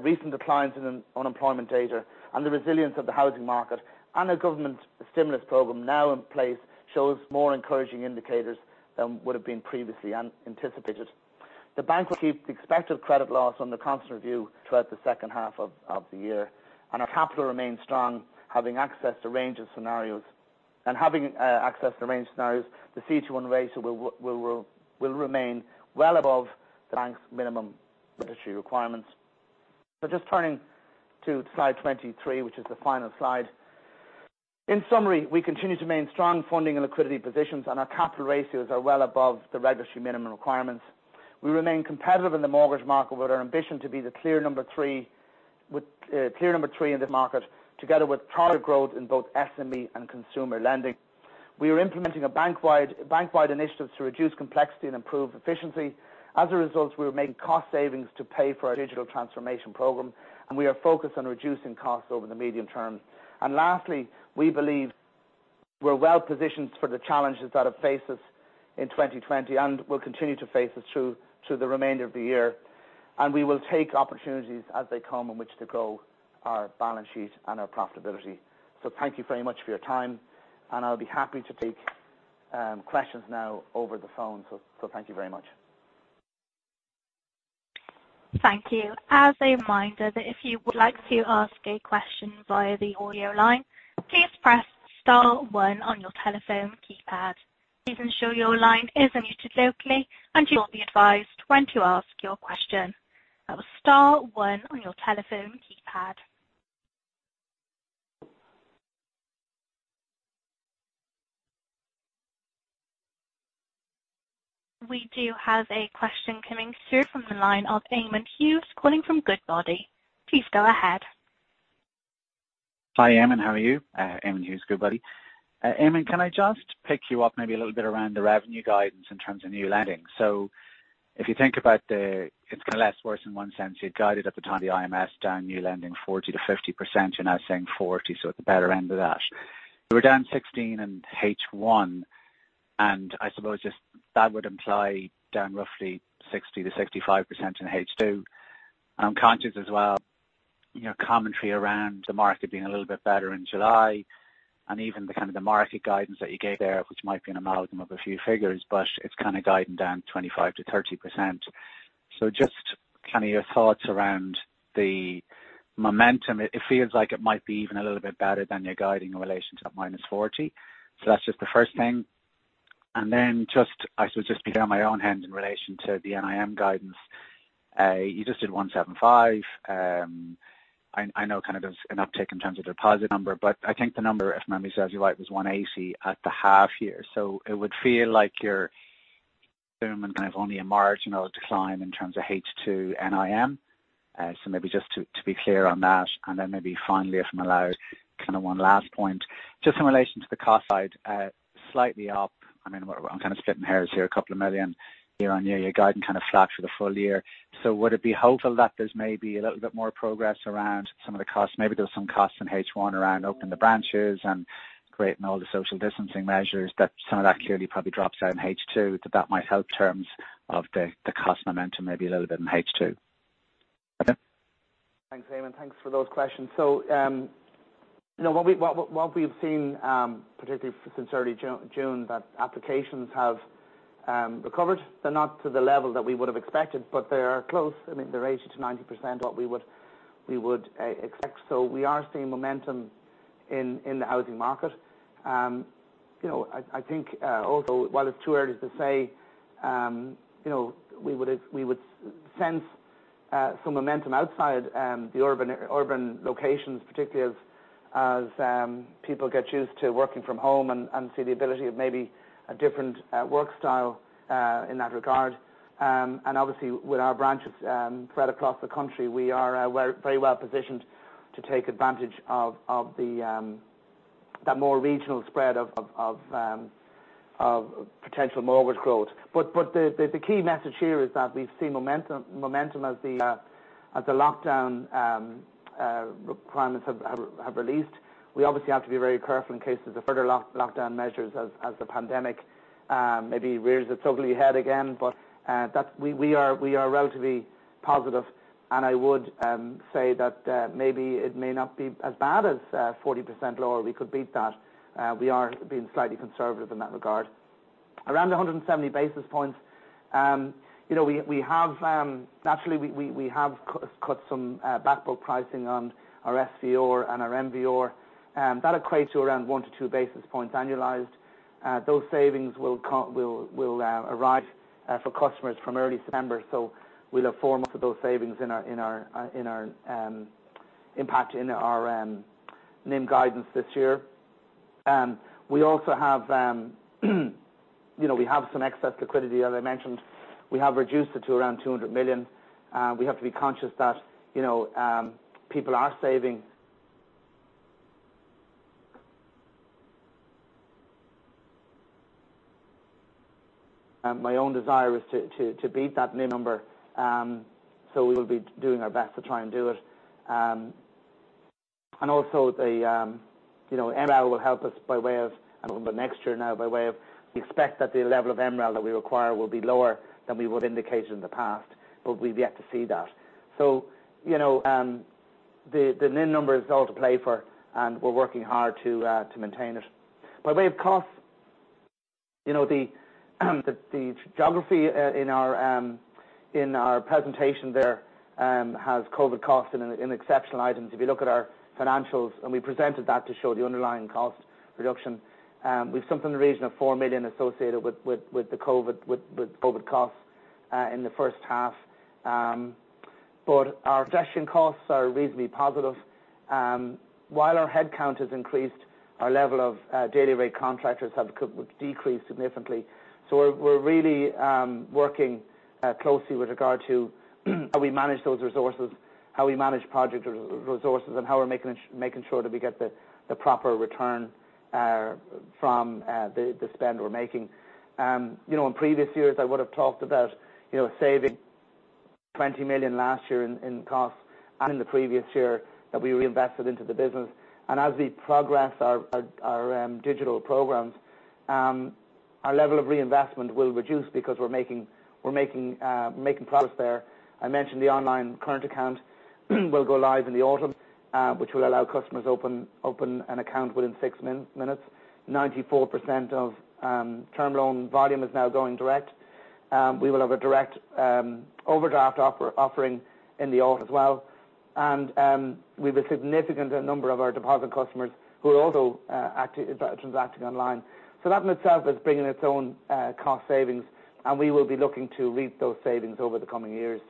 recent declines in unemployment data and the resilience of the housing market and a government stimulus program now in place shows more encouraging indicators than would've been previously anticipated. The bank will keep the Expected Credit Loss under constant review throughout the second half of the year. Our capital remains strong, having access to a range of scenarios. Having access to a range of scenarios, the CET1 ratio will remain well above the bank's minimum regulatory requirements. Just turning to slide 23, which is the final slide. In summary, we continue to maintain strong funding and liquidity positions, and our capital ratios are well above the regulatory minimum requirements. We remain competitive in the mortgage market with our ambition to be the clear number 3 in the market, together with targeted growth in both SME and consumer lending. We are implementing a bank-wide initiative to reduce complexity and improve efficiency. As a result, we are making cost savings to pay for our digital transformation program, and we are focused on reducing costs over the medium term. Lastly, we believe we're well-positioned for the challenges that have faced us in 2020 and will continue to face us through the remainder of the year. We will take opportunities as they come on which to grow our balance sheet and our profitability. Thank you very much for your time, and I'll be happy to take questions now over the phone. Thank you very much. Thank you. As a reminder that if you would like to ask a question via the audio line, please press star one on your telephone keypad. Please ensure your line is unmuted locally, and you will be advised when to ask your question. That was star one on your telephone keypad. We do have a question coming through from the line of Eamonn Hughes calling from Goodbody. Please go ahead. Hi, Eamonn. How are you? Eamonn Hughes, Goodbody Stockbrokers. Eamonn, can I just pick you up maybe a little bit around the revenue guidance in terms of new lending. If you think about the, it's kind of less worse in one sense, you had guided at the time of the IMS down new lending 40%-50%. You're now saying 40%, so at the better end of that. You were down 16% in H1, and I suppose just that would imply down roughly 60%-65% in H2. I'm conscious as well, your commentary around the market being a little bit better in July and even the kind of the market guidance that you gave there, which might be an amalgam of a few figures, but it's kind of guiding down 25%-30%. Just kind of your thoughts around the momentum. It feels like it might be even a little bit better than you're guiding in relation to that -40. That's just the first thing. Just, I suppose just to be clear on my own end in relation to the NIM guidance. You just did 175. I know kind of there's an uptick in terms of deposit number, but I think the number, if memory serves you right, was 180 at the half year. It would feel like you're assuming kind of only a marginal decline in terms of H2 NIM. Maybe just to be clear on that, and then maybe finally, if I'm allowed, kind of one last point, just in relation to the cost side, slightly up. I'm kind of splitting hairs here, a couple of million year-over-year. You're guiding kind of flat for the full year. Would it be hopeful that there's maybe a little bit more progress around some of the costs? Maybe there was some costs in H1 around opening the branches and creating all the social distancing measures that some of that clearly probably drops out in H2. That might help terms of the cost momentum, maybe a little bit in H2. Okay. Thanks, Eamonn. Thanks for those questions. What we've seen, particularly since early June, that applications have recovered. They're not to the level that we would have expected, but they are close. They're 80%-90% what we would expect. We are seeing momentum in the housing market. I think also, while it's too early to say we would sense some momentum outside the urban locations, particularly as people get used to working from home and see the ability of maybe a different work style in that regard. Obviously with our branches spread across the country, we are very well positioned to take advantage of that more regional spread of potential mortgage growth. The key message here is that we've seen momentum as the lockdown requirements have released. We obviously have to be very careful in case there's further lockdown measures as the pandemic maybe rears its ugly head again. We are relatively positive, and I would say that maybe it may not be as bad as 40% lower. We could beat that. We are being slightly conservative in that regard. Around the 170 basis points. Naturally, we have cut some back book pricing on our SVR and our MVR. That equates to around one to two basis points annualized. Those savings will arrive for customers from early September, we'll have four months of those savings in our impact in our NIM guidance this year. We also have some excess liquidity, as I mentioned. We have reduced it to around 200 million. We have to be conscious that people are saving. My own desire is to beat that NIM number, so we will be doing our best to try and do it. Also, the MREL will help us by way of, next year now, we expect that the level of MREL that we require will be lower than we would have indicated in the past, but we've yet to see that. The NIM number is all to play for, and we're working hard to maintain it. By way of cost, the geography in our presentation there has COVID costs in exceptional items. If you look at our financials, and we presented that to show the underlying cost reduction, we've something in the region of 4 million associated with the COVID costs in the first half. Our transaction costs are reasonably positive. While our headcount has increased, our level of daily rate contractors have decreased significantly. We're really working closely with regard to how we manage those resources. How we manage project resources and how we're making sure that we get the proper return from the spend we're making. In previous years, I would've talked about saving 20 million last year in costs and the previous year that we reinvested into the business. As we progress our digital programs, our level of reinvestment will reduce because we're making progress there. I mentioned the online current account will go live in the autumn, which will allow customers open an account within six minutes. 94% of term loan volume is now going direct. We will have a direct overdraft offering in the autumn as well. We've a significant number of our deposit customers who are also transacting online. That in itself is bringing its own cost savings, and we will be looking to reap those savings over the coming years.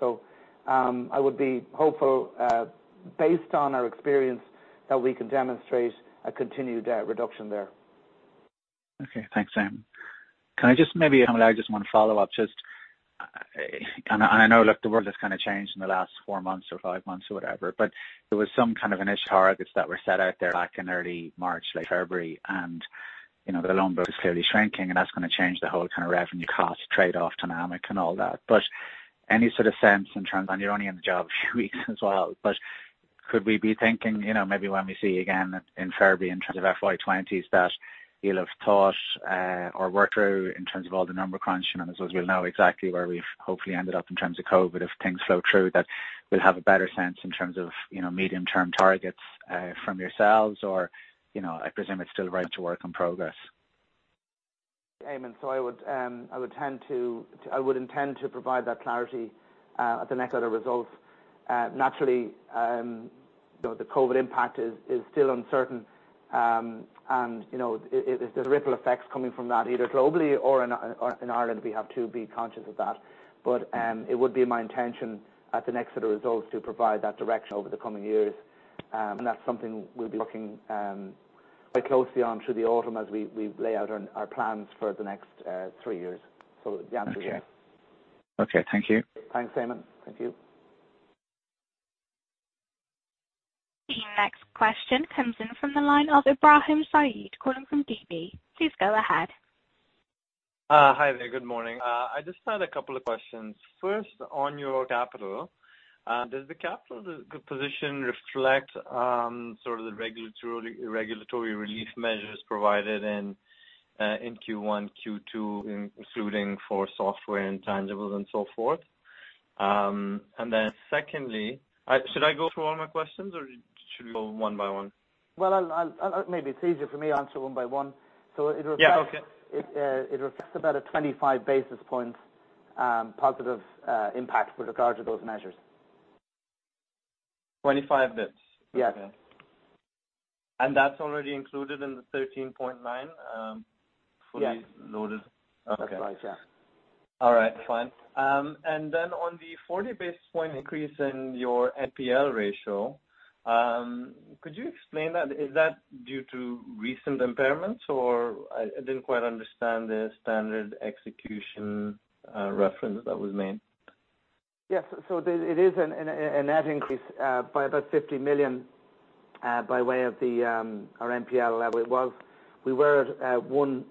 I would be hopeful, based on our experience, that we can demonstrate a continued debt reduction there. Okay. Thanks, Eamonn. I just want to follow up. I know, look, the world has kind of changed in the last four months or five months or whatever, but there was some kind of initial targets that were set out there back in early March, late February, and the loan book is clearly shrinking, and that's going to change the whole kind of revenue cost trade-off dynamic and all that. Any sort of sense in terms, and you're only in the job a few weeks as well, but could we be thinking, maybe when we see again in February in terms of FY 2020s that you'll have thought or worked through in terms of all the number crunch and as well we'll know exactly where we've hopefully ended up in terms of COVID-19 if things flow through, that we'll have a better sense in terms of medium term targets from yourselves or, I presume it's still work in progress? Eamonn. I would intend to provide that clarity at the next set of results. Naturally, the COVID-19 impact is still uncertain. If there's ripple effects coming from that either globally or in Ireland, we have to be conscious of that. It would be my intention at the next set of results to provide that direction over the coming years. That's something we'll be looking quite closely on through the autumn as we lay out our plans for the next three years. The answer is yes. Okay. Thank you. Thanks, Eamonn. Thank you. The next question comes in from the line of Ibrahim Sayed calling from DB. Please go ahead. Hi there. Good morning. I just had a couple of questions. First, on your capital, does the capital position reflect sort of the regulatory relief measures provided in Q1, Q2, including for software intangibles and so forth? Secondly, should I go through all my questions or should we go one by one? Well, maybe it's easier for me to answer one by one. Yeah. Okay. It reflects about a 25 basis points positive impact with regard to those measures. 25 bps? Yes. Okay. that's already included in the 13.9- Yes fully loaded. Okay. That's right. Yeah. All right. Fine. On the 40 basis point increase in your NPL ratio, could you explain that? Is that due to recent impairments or I didn't quite understand the standard execution reference that was made? Yes. It is a net increase by about 50 million, by way of our NPL level. We're now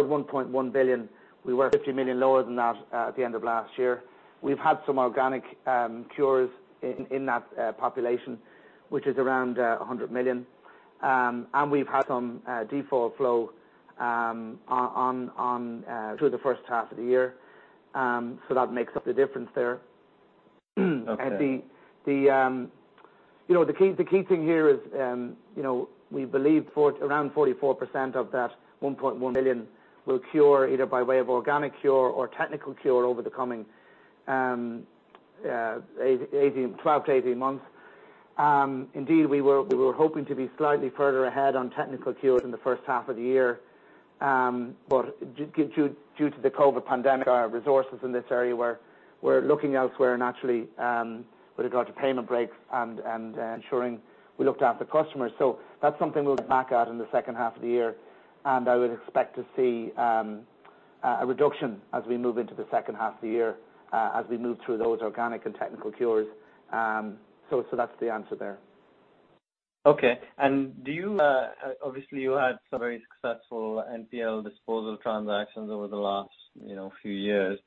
at 1.1 billion. We were 50 million lower than that at the end of last year. We've had some organic cures in that population, which is around 100 million. We've had some default flow through the first half of the year. That makes up the difference there. Okay. The key thing here is, we believe around 44% of that 1.1 billion will cure either by way of organic cure or technical cure over the coming 12-18 months. Indeed, we were hoping to be slightly further ahead on technical cures in the first half of the year. Due to the COVID-19 pandemic, our resources in this area were looking elsewhere naturally, with regard to payment breaks and ensuring we looked after customers. That's something we'll get back at in the second half of the year. I would expect to see a reduction as we move into the second half of the year, as we move through those organic and technical cures. That's the answer there. Okay. Obviously, you had some very successful NPL disposal transactions over the last few years.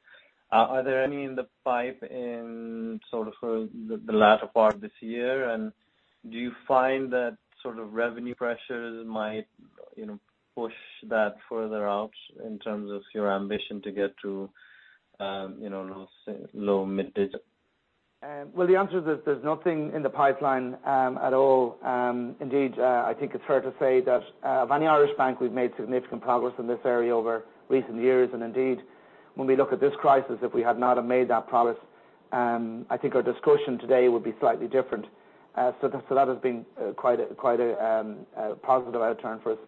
Are there any in the pipe in sort of the latter part of this year? Do you find that sort of revenue pressures might push that further out in terms of your ambition to get to low mid-digit? The answer is there's nothing in the pipeline at all. I think it's fair to say that of any Irish bank, we've made significant progress in this area over recent years. When we look at this crisis, if we had not have made that progress, I think our discussion today would be slightly different. That has been quite a positive outturn for us.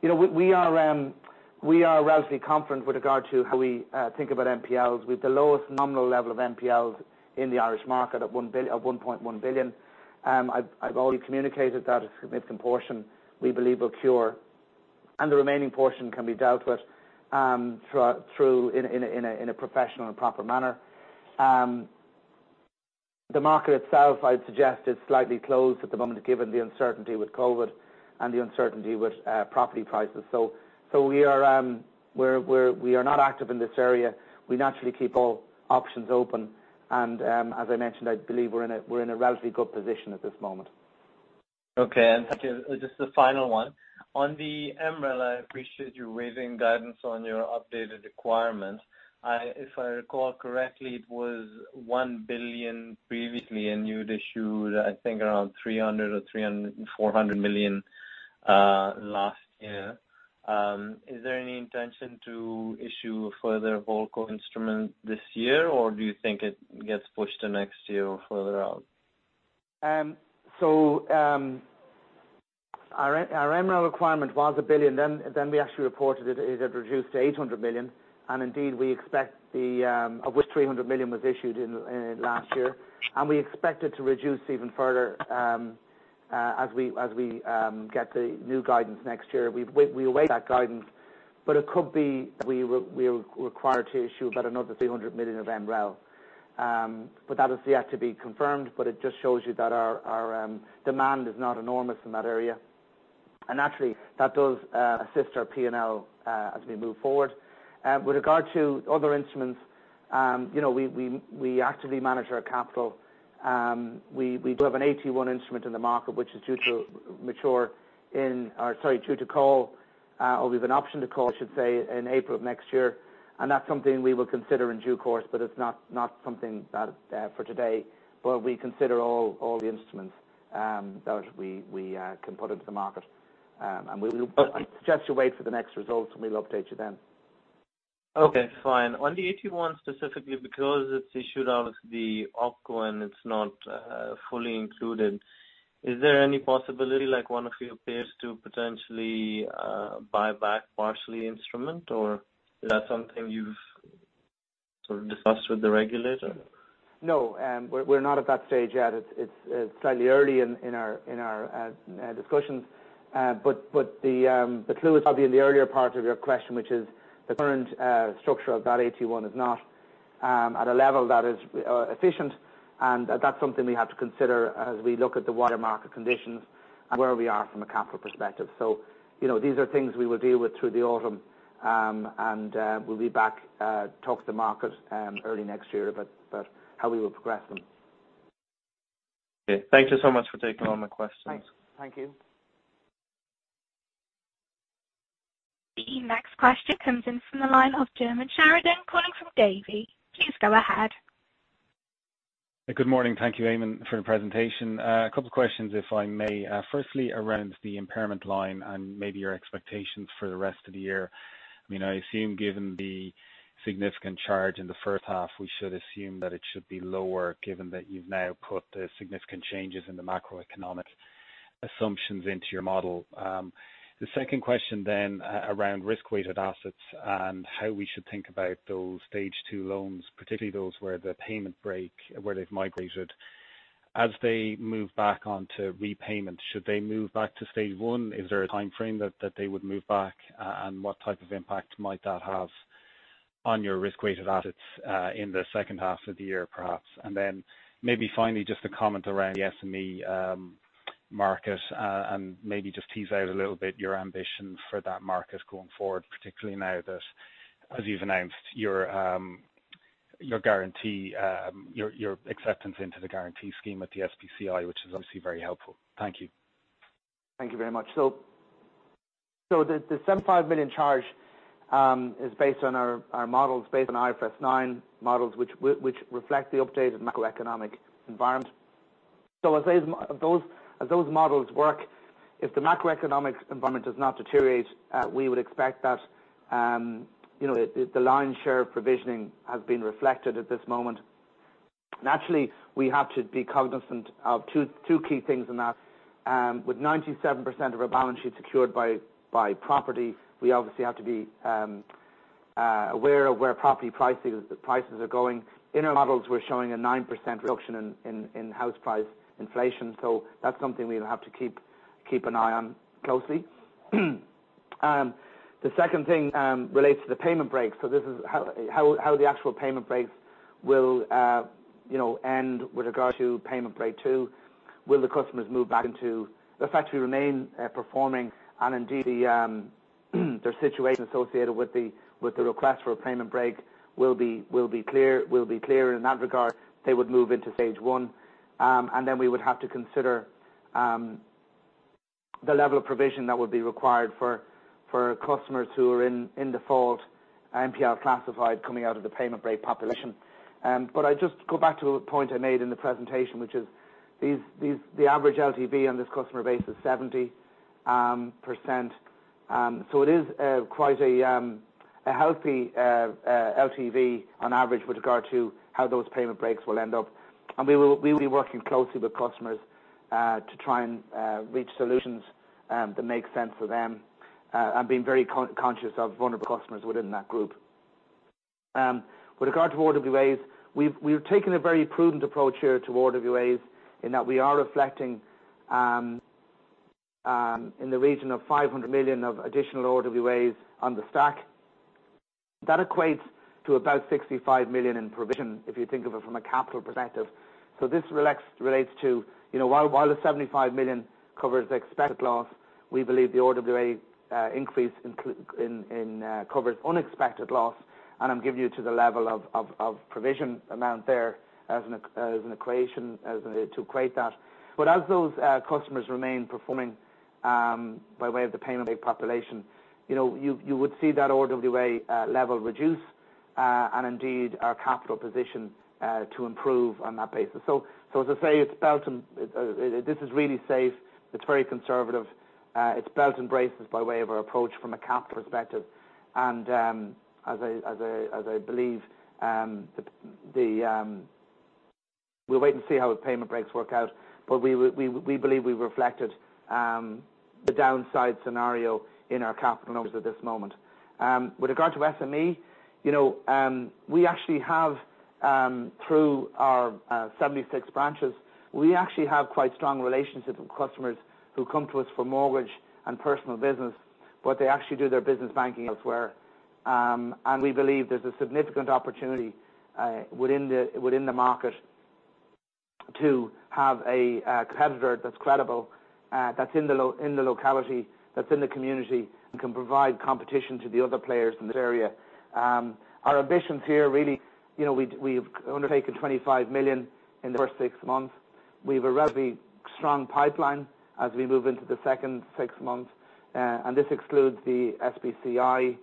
We are relatively confident with regard to how we think about NPLs. We've the lowest nominal level of NPLs in the Irish market at 1.1 billion. I've already communicated that a significant portion we believe will cure. The remaining portion can be dealt with through in a professional and proper manner. The market itself, I'd suggest, is slightly closed at the moment, given the uncertainty with COVID and the uncertainty with property prices. We are not active in this area. We naturally keep all options open. As I mentioned, I believe we're in a relatively good position at this moment. Okay. Thank you. Just the final one. On the MREL, I appreciate you raising guidance on your updated requirements. If I recall correctly, it was 1 billion previously, and you'd issued, I think, around 300 million or 400 million last year. Yeah. Is there any intention to issue a further Volcker instrument this year, or do you think it gets pushed to next year or further out? Our MREL requirement was 1 billion then. We actually reported it had reduced to 800 million, and indeed, of which 300 million was issued last year. We expect it to reduce even further as we get the new guidance next year. We await that guidance, but it could be that we're required to issue about another 300 million of MREL. That is yet to be confirmed, but it just shows you that our demand is not enormous in that area. Naturally, that does assist our P&L as we move forward. With regard to other instruments, we actively manage our capital. We do have an AT1 instrument in the market which is due to call, or we have an option to call, I should say, in April of next year, and that's something we will consider in due course, but it's not something that for today. We consider all the instruments that we can put into the market. We will suggest you wait for the next results, and we'll update you then. Okay, fine. On the AT1 specifically, because it is issued out of the OpCo and it is not fully included, is there any possibility, like one of your peers to potentially buy back partially instrument, or is that something you have sort of discussed with the regulator? No, we're not at that stage yet. It's slightly early in our discussions. The clue is probably in the earlier part of your question, which is the current structure of that AT1 is not at a level that is efficient, and that's something we have to consider as we look at the wider market conditions and where we are from a capital perspective. These are things we will deal with through the autumn, and we'll be back to talk to the market early next year about how we will progress them. Okay. Thank you so much for taking all my questions. Thanks. Thank you. The next question comes in from the line of Diarmaid Sheridan calling from Davy. Please go ahead. Good morning. Thank you, Eamonn, for the presentation. A couple questions, if I may. Firstly, around the impairment line and maybe your expectations for the rest of the year. I assume given the significant charge in the first half, we should assume that it should be lower, given that you've now put the significant changes in the macroeconomic assumptions into your model. The second question then around Risk-Weighted Assets and how we should think about those stage 2 loans, particularly those where the payment break, where they've migrated. As they move back onto repayment, should they move back to stage 1? Is there a time frame that they would move back, and what type of impact might that have on your Risk-Weighted Assets in the second half of the year, perhaps? Maybe finally, just a comment around the SME market, and maybe just tease out a little bit your ambition for that market going forward, particularly now that as you've announced your acceptance into the guarantee scheme at the SBCI, which is obviously very helpful. Thank you. Thank you very much. The 75 million charge is based on our models, based on IFRS 9 models, which reflect the updated macroeconomic environment. As those models work, if the macroeconomic environment does not deteriorate, we would expect that the lion's share of provisioning has been reflected at this moment. Naturally, we have to be cognizant of two key things in that. With 97% of our balance sheet secured by property, we obviously have to be aware of where property prices are going. In our models, we're showing a 9% reduction in house price inflation. That's something we have to keep an eye on closely. The second thing relates to the payment break. This is how the actual payment breaks will end with regard to payment break 2. If they actually remain performing and indeed their situation associated with the request for a payment break will be clear in that regard, they would move into stage 1. We would have to consider the level of provision that would be required for customers who are in default NPL classified coming out of the payment break population. I just go back to a point I made in the presentation, which is the average LTV on this customer base is 70%. It is quite a healthy LTV on average with regard to how those payment breaks will end up. We will be working closely with customers to try and reach solutions that make sense for them, and being very conscious of vulnerable customers within that group. With regard to RWAs, we've taken a very prudent approach here to RWAs, in that we are reflecting in the region of 500 million of additional RWAs on the stack. That equates to about 65 million in provision, if you think of it from a capital perspective. This relates to while the 75 million covers Expected Loss, we believe the RWA increase covers unexpected loss. I'm giving you to the level of provision amount there as an equation to equate that. As those customers remain performing by way of the payment population, you would see that RWA level reduce, and indeed our capital position to improve on that basis. As I say, this is really safe. It's very conservative. It's belt and braces by way of our approach from a capital perspective. As I believe, we'll wait and see how the payment breaks work out, but we believe we've reflected the downside scenario in our capital numbers at this moment. With regard to SME, through our 76 branches, we actually have quite strong relationships with customers who come to us for mortgage and personal business, but they actually do their business banking elsewhere. We believe there's a significant opportunity within the market to have a competitor that's credible, that's in the locality, that's in the community, and can provide competition to the other players in this area. Our ambitions here, really, we've undertaken 25 million in the first six months. We have a relatively strong pipeline as we move into the second six months. This excludes the SBCI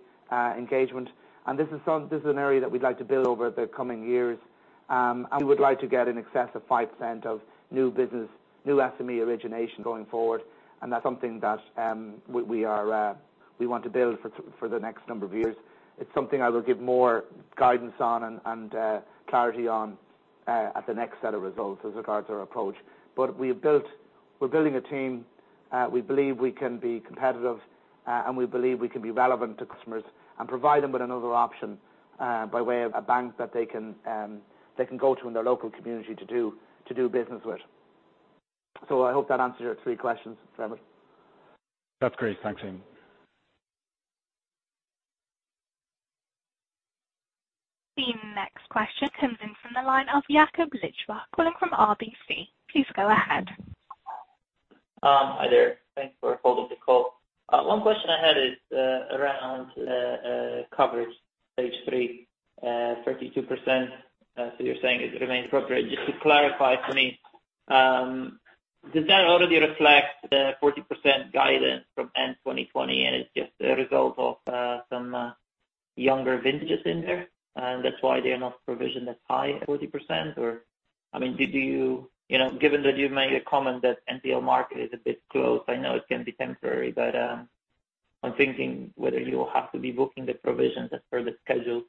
engagement. This is an area that we'd like to build over the coming years. We would like to get in excess of 5% of new business, new SME origination going forward. That's something that we want to build for the next number of years. It's something I will give more guidance on and clarity on at the next set of results as regards our approach. We're building a team. We believe we can be competitive, and we believe we can be relevant to customers and provide them with another option by way of a bank that they can go to in their local community to do business with. I hope that answers your three questions, Diarmaid. That's great. Thanks, Eamonn. The next question comes in from the line of Jakub Gliszczynski calling from RBC. Please go ahead. Hi there. Thanks for holding the call. One question I had is around coverage, page three 32%. You're saying it remains appropriate. Just to clarify for me, does that already reflect the 40% guidance from end 2020, and it's just a result of some younger vintages in there, and that's why they're not provisioned as high at 40%? Given that you've made a comment that NPL market is a bit closed, I know it can be temporary, but I'm thinking whether you will have to be booking the provisions as per the schedule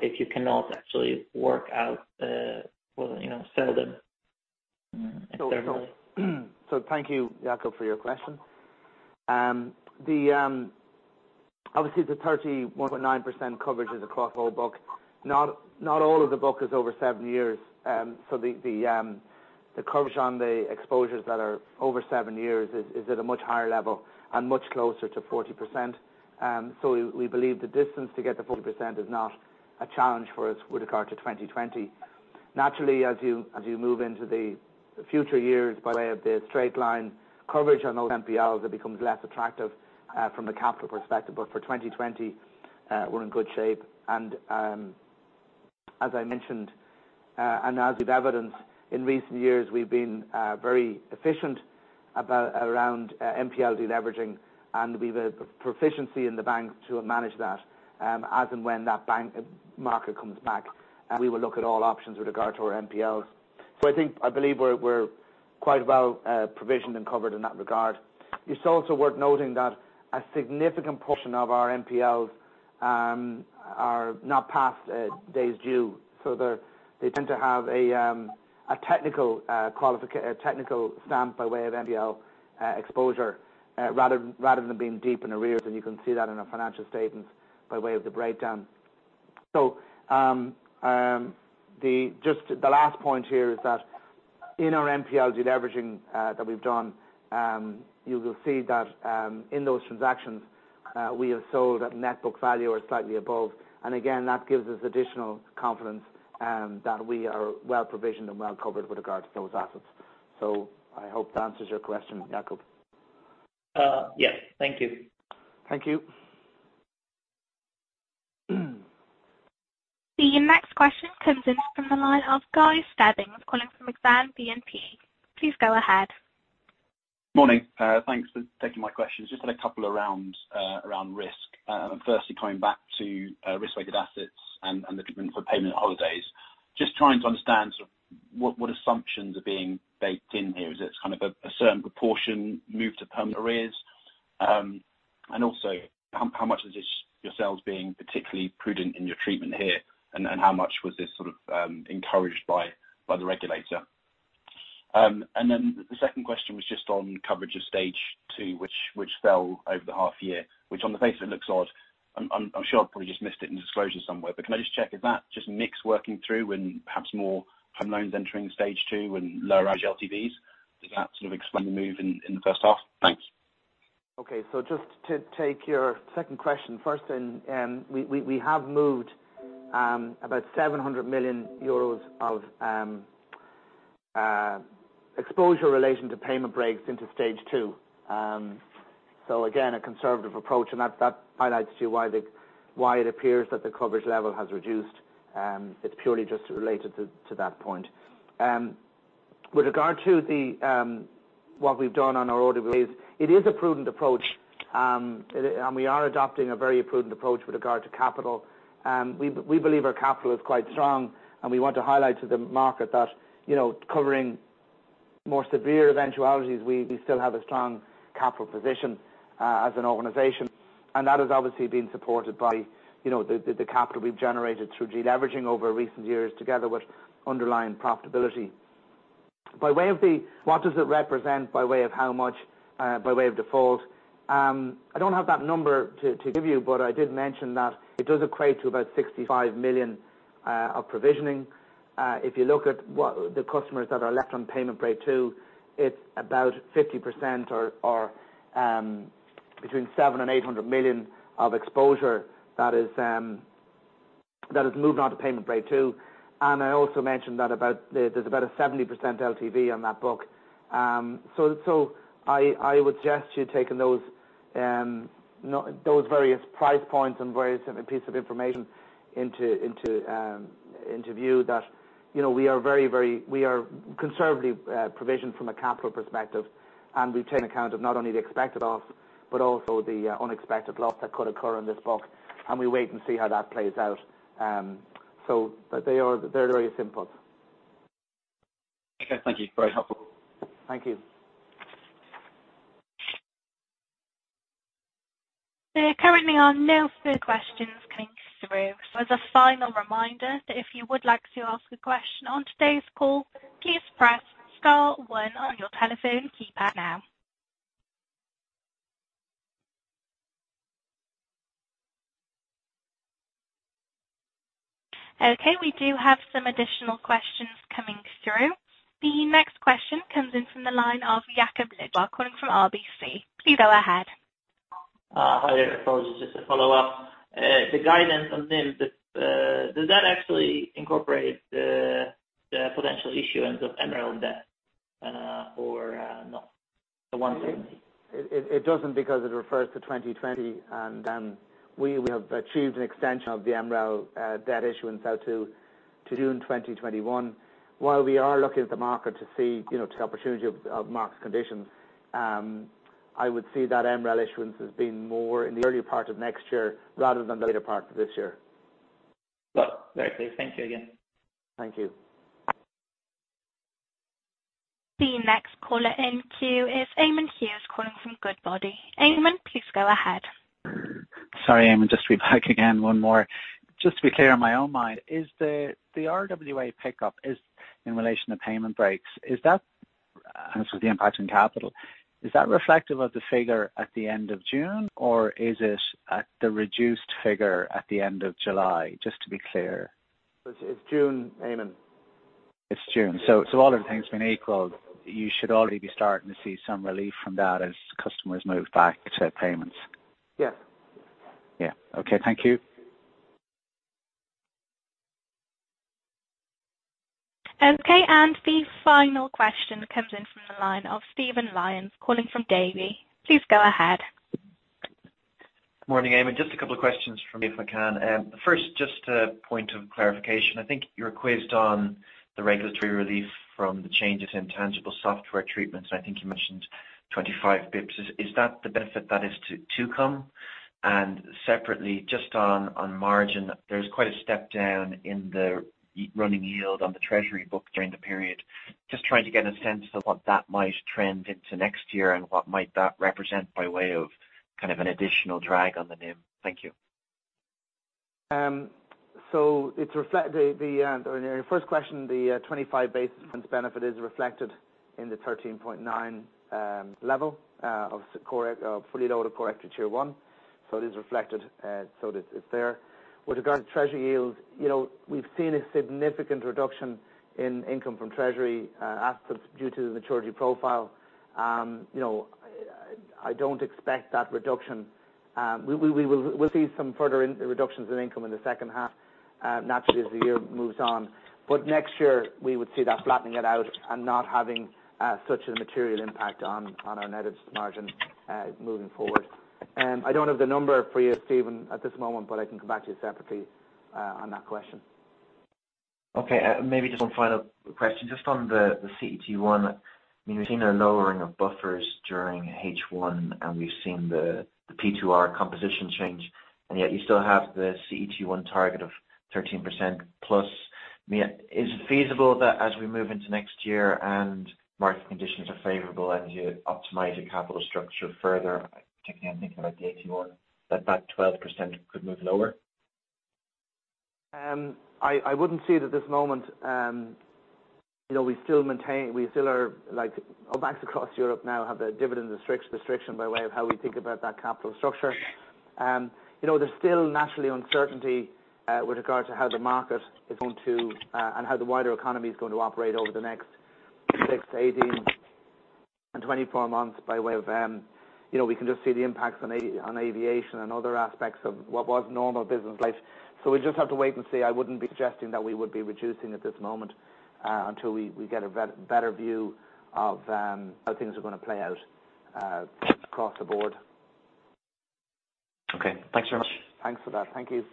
if you cannot actually work out well, sell them externally. Thank you, Jakub, for your question. Obviously, the 31.9% coverage is across whole book. Not all of the book is over seven years. The coverage on the exposures that are over seven years is at a much higher level and much closer to 40%. We believe the distance to get to 40% is not a challenge for us with regard to 2020. Naturally, as you move into the future years by way of the straight line coverage on those NPLs, it becomes less attractive from a capital perspective. For 2020, we're in good shape. As I mentioned, and as we've evidenced in recent years, we've been very efficient around NPL deleveraging, and we've a proficiency in the bank to manage that. As and when that bank market comes back, we will look at all options with regard to our NPLs. I believe we're quite well provisioned and covered in that regard. It's also worth noting that a significant portion of our NPLs are not past days due, so they tend to have a technical stamp by way of NPL exposure rather than being deep in arrears, and you can see that in our financial statements by way of the breakdown. Just the last point here is that in our NPL deleveraging that we've done, you will see that in those transactions, we have sold at net book value or slightly above. Again, that gives us additional confidence that we are well provisioned and well covered with regard to those assets. I hope that answers your question, Jakub. Yes. Thank you. Thank you. The next question comes in from the line of Guy Stebbings calling from Exane BNP Paribas. Please go ahead. Morning. Thanks for taking my questions. Just had a couple around risk. Firstly, coming back to Risk-Weighted Assets and the treatment for payment holidays. Just trying to understand what assumptions are being baked in here. Is it kind of a certain proportion moved to permanent arrears? Also, how much of this is yourselves being particularly prudent in your treatment here, and how much was this sort of encouraged by the regulator? The second question was just on coverage of stage 2, which fell over the half year. Which on the face of it looks odd. I'm sure I probably just missed it in disclosure somewhere, but can I just check, is that just mix working through and perhaps more home loans entering stage 2 and lower LTVs? Does that sort of explain the move in the first half? Thanks. Okay. Just to take your second question first. We have moved about 700 million euros of exposure relating to payment breaks into stage 2. Again, a conservative approach, and that highlights to you why it appears that the coverage level has reduced. It is purely just related to that point. With regard to what we have done on our RWA, it is a prudent approach, and we are adopting a very prudent approach with regard to capital. We believe our capital is quite strong, and we want to highlight to the market that covering more severe eventualities, we still have a strong capital position as an organization. That has obviously been supported by the capital we have generated through de-leveraging over recent years, together with underlying profitability. By way of the what does it represent by way of how much by way of default, I don't have that number to give you, but I did mention that it does equate to about 65 million of provisioning. If you look at the customers that are left on payment break 2, it's about 50% or between 700 million and 800 million of exposure that has moved onto payment break 2. I also mentioned that there's about a 70% LTV on that book. I would suggest you taking those various price points and various piece of information into view that we are conservatively provisioned from a capital perspective, and we take account of not only the expected loss, but also the unexpected loss that could occur on this book, and we wait and see how that plays out. They're very simple. Okay. Thank you. Very helpful. Thank you. There currently are no further questions coming through. As a final reminder, that if you would like to ask a question on today's call, please press star one on your telephone keypad now. Okay, we do have some additional questions coming through. The next question comes in from the line of Jakub Gliszczynski calling from RBC. Please go ahead. Hi there. Apologies. Just to follow up. The guidance on NIM, does that actually incorporate the potential issuance of MREL debt or no? It doesn't because it refers to 2020, and we have achieved an extension of the MREL debt issuance out to June 2021. While we are looking at the market to see the opportunity of market conditions, I would see that MREL issuance as being more in the earlier part of next year rather than the later part of this year. Well, very clear. Thank you again. Thank you. The next caller in queue is Eamonn Hughes calling from Goodbody. Eamonn, please go ahead. Sorry, Eamonn. Just to be back again, one more. Just to be clear in my own mind, is the RWA pickup is in relation to payment breaks. As with the impact on capital, is that reflective of the figure at the end of June or is it at the reduced figure at the end of July? Just to be clear. It's June, Eamonn. It's June. All other things being equal, you should already be starting to see some relief from that as customers move back to payments. Yeah. Yeah. Okay. Thank you. Okay, the final question comes in from the line of Stephen Lyons calling from Davy. Please go ahead. Morning, Eamonn. Just a couple of questions from me, if I can. First, just a point of clarification. I think you were quizzed on the regulatory relief from the changes in tangible software treatments. I think you mentioned 25 basis points. Is that the benefit that is to come? Separately, just on margin, there's quite a step down in the running yield on the treasury book during the period. Just trying to get a sense of what that might trend into next year and what might that represent by way of kind of an additional drag on the NIM. Thank you. On your first question, the 25 basis points benefit is reflected in the 13.9 level of fully loaded CET1. It is reflected, so it's there. With regard to treasury yields, we've seen a significant reduction in income from treasury assets due to the maturity profile. I don't expect that reduction. We'll see some further reductions in income in the second half, naturally as the year moves on. Next year we would see that flattening it out and not having such a material impact on our net interest margin moving forward. I don't have the number for you, Stephen, at this moment, but I can come back to you separately on that question. Okay. Maybe just one final question. Just on the CET1, we've seen a lowering of buffers during H1, and we've seen the P2R composition change, and yet you still have the CET1 target of 13% plus. Is it feasible that as we move into next year and market conditions are favorable and you optimize your capital structure further, particularly I'm thinking about the AT1, that that 12% could move lower? I wouldn't see it at this moment. All banks across Europe now have the dividend restriction by way of how we think about that capital structure. There's still naturally uncertainty with regard to how the market is going to, and how the wider economy is going to operate over the next six to 18 and 24 months. We can just see the impacts on aviation and other aspects of what was normal business life. We just have to wait and see. I wouldn't be suggesting that we would be reducing at this moment until we get a better view of how things are going to play out across the board. Okay. Thanks very much. Thanks for that. Thank you.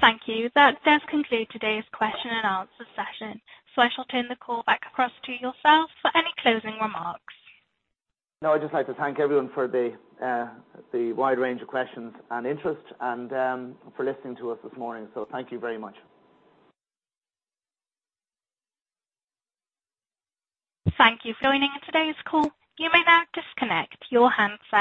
Thank you. That does conclude today's question and answer session. I shall turn the call back across to yourselves for any closing remarks. I'd just like to thank everyone for the wide range of questions and interest, and for listening to us this morning. Thank you very much. Thank you for joining today's call. You may now disconnect your handset.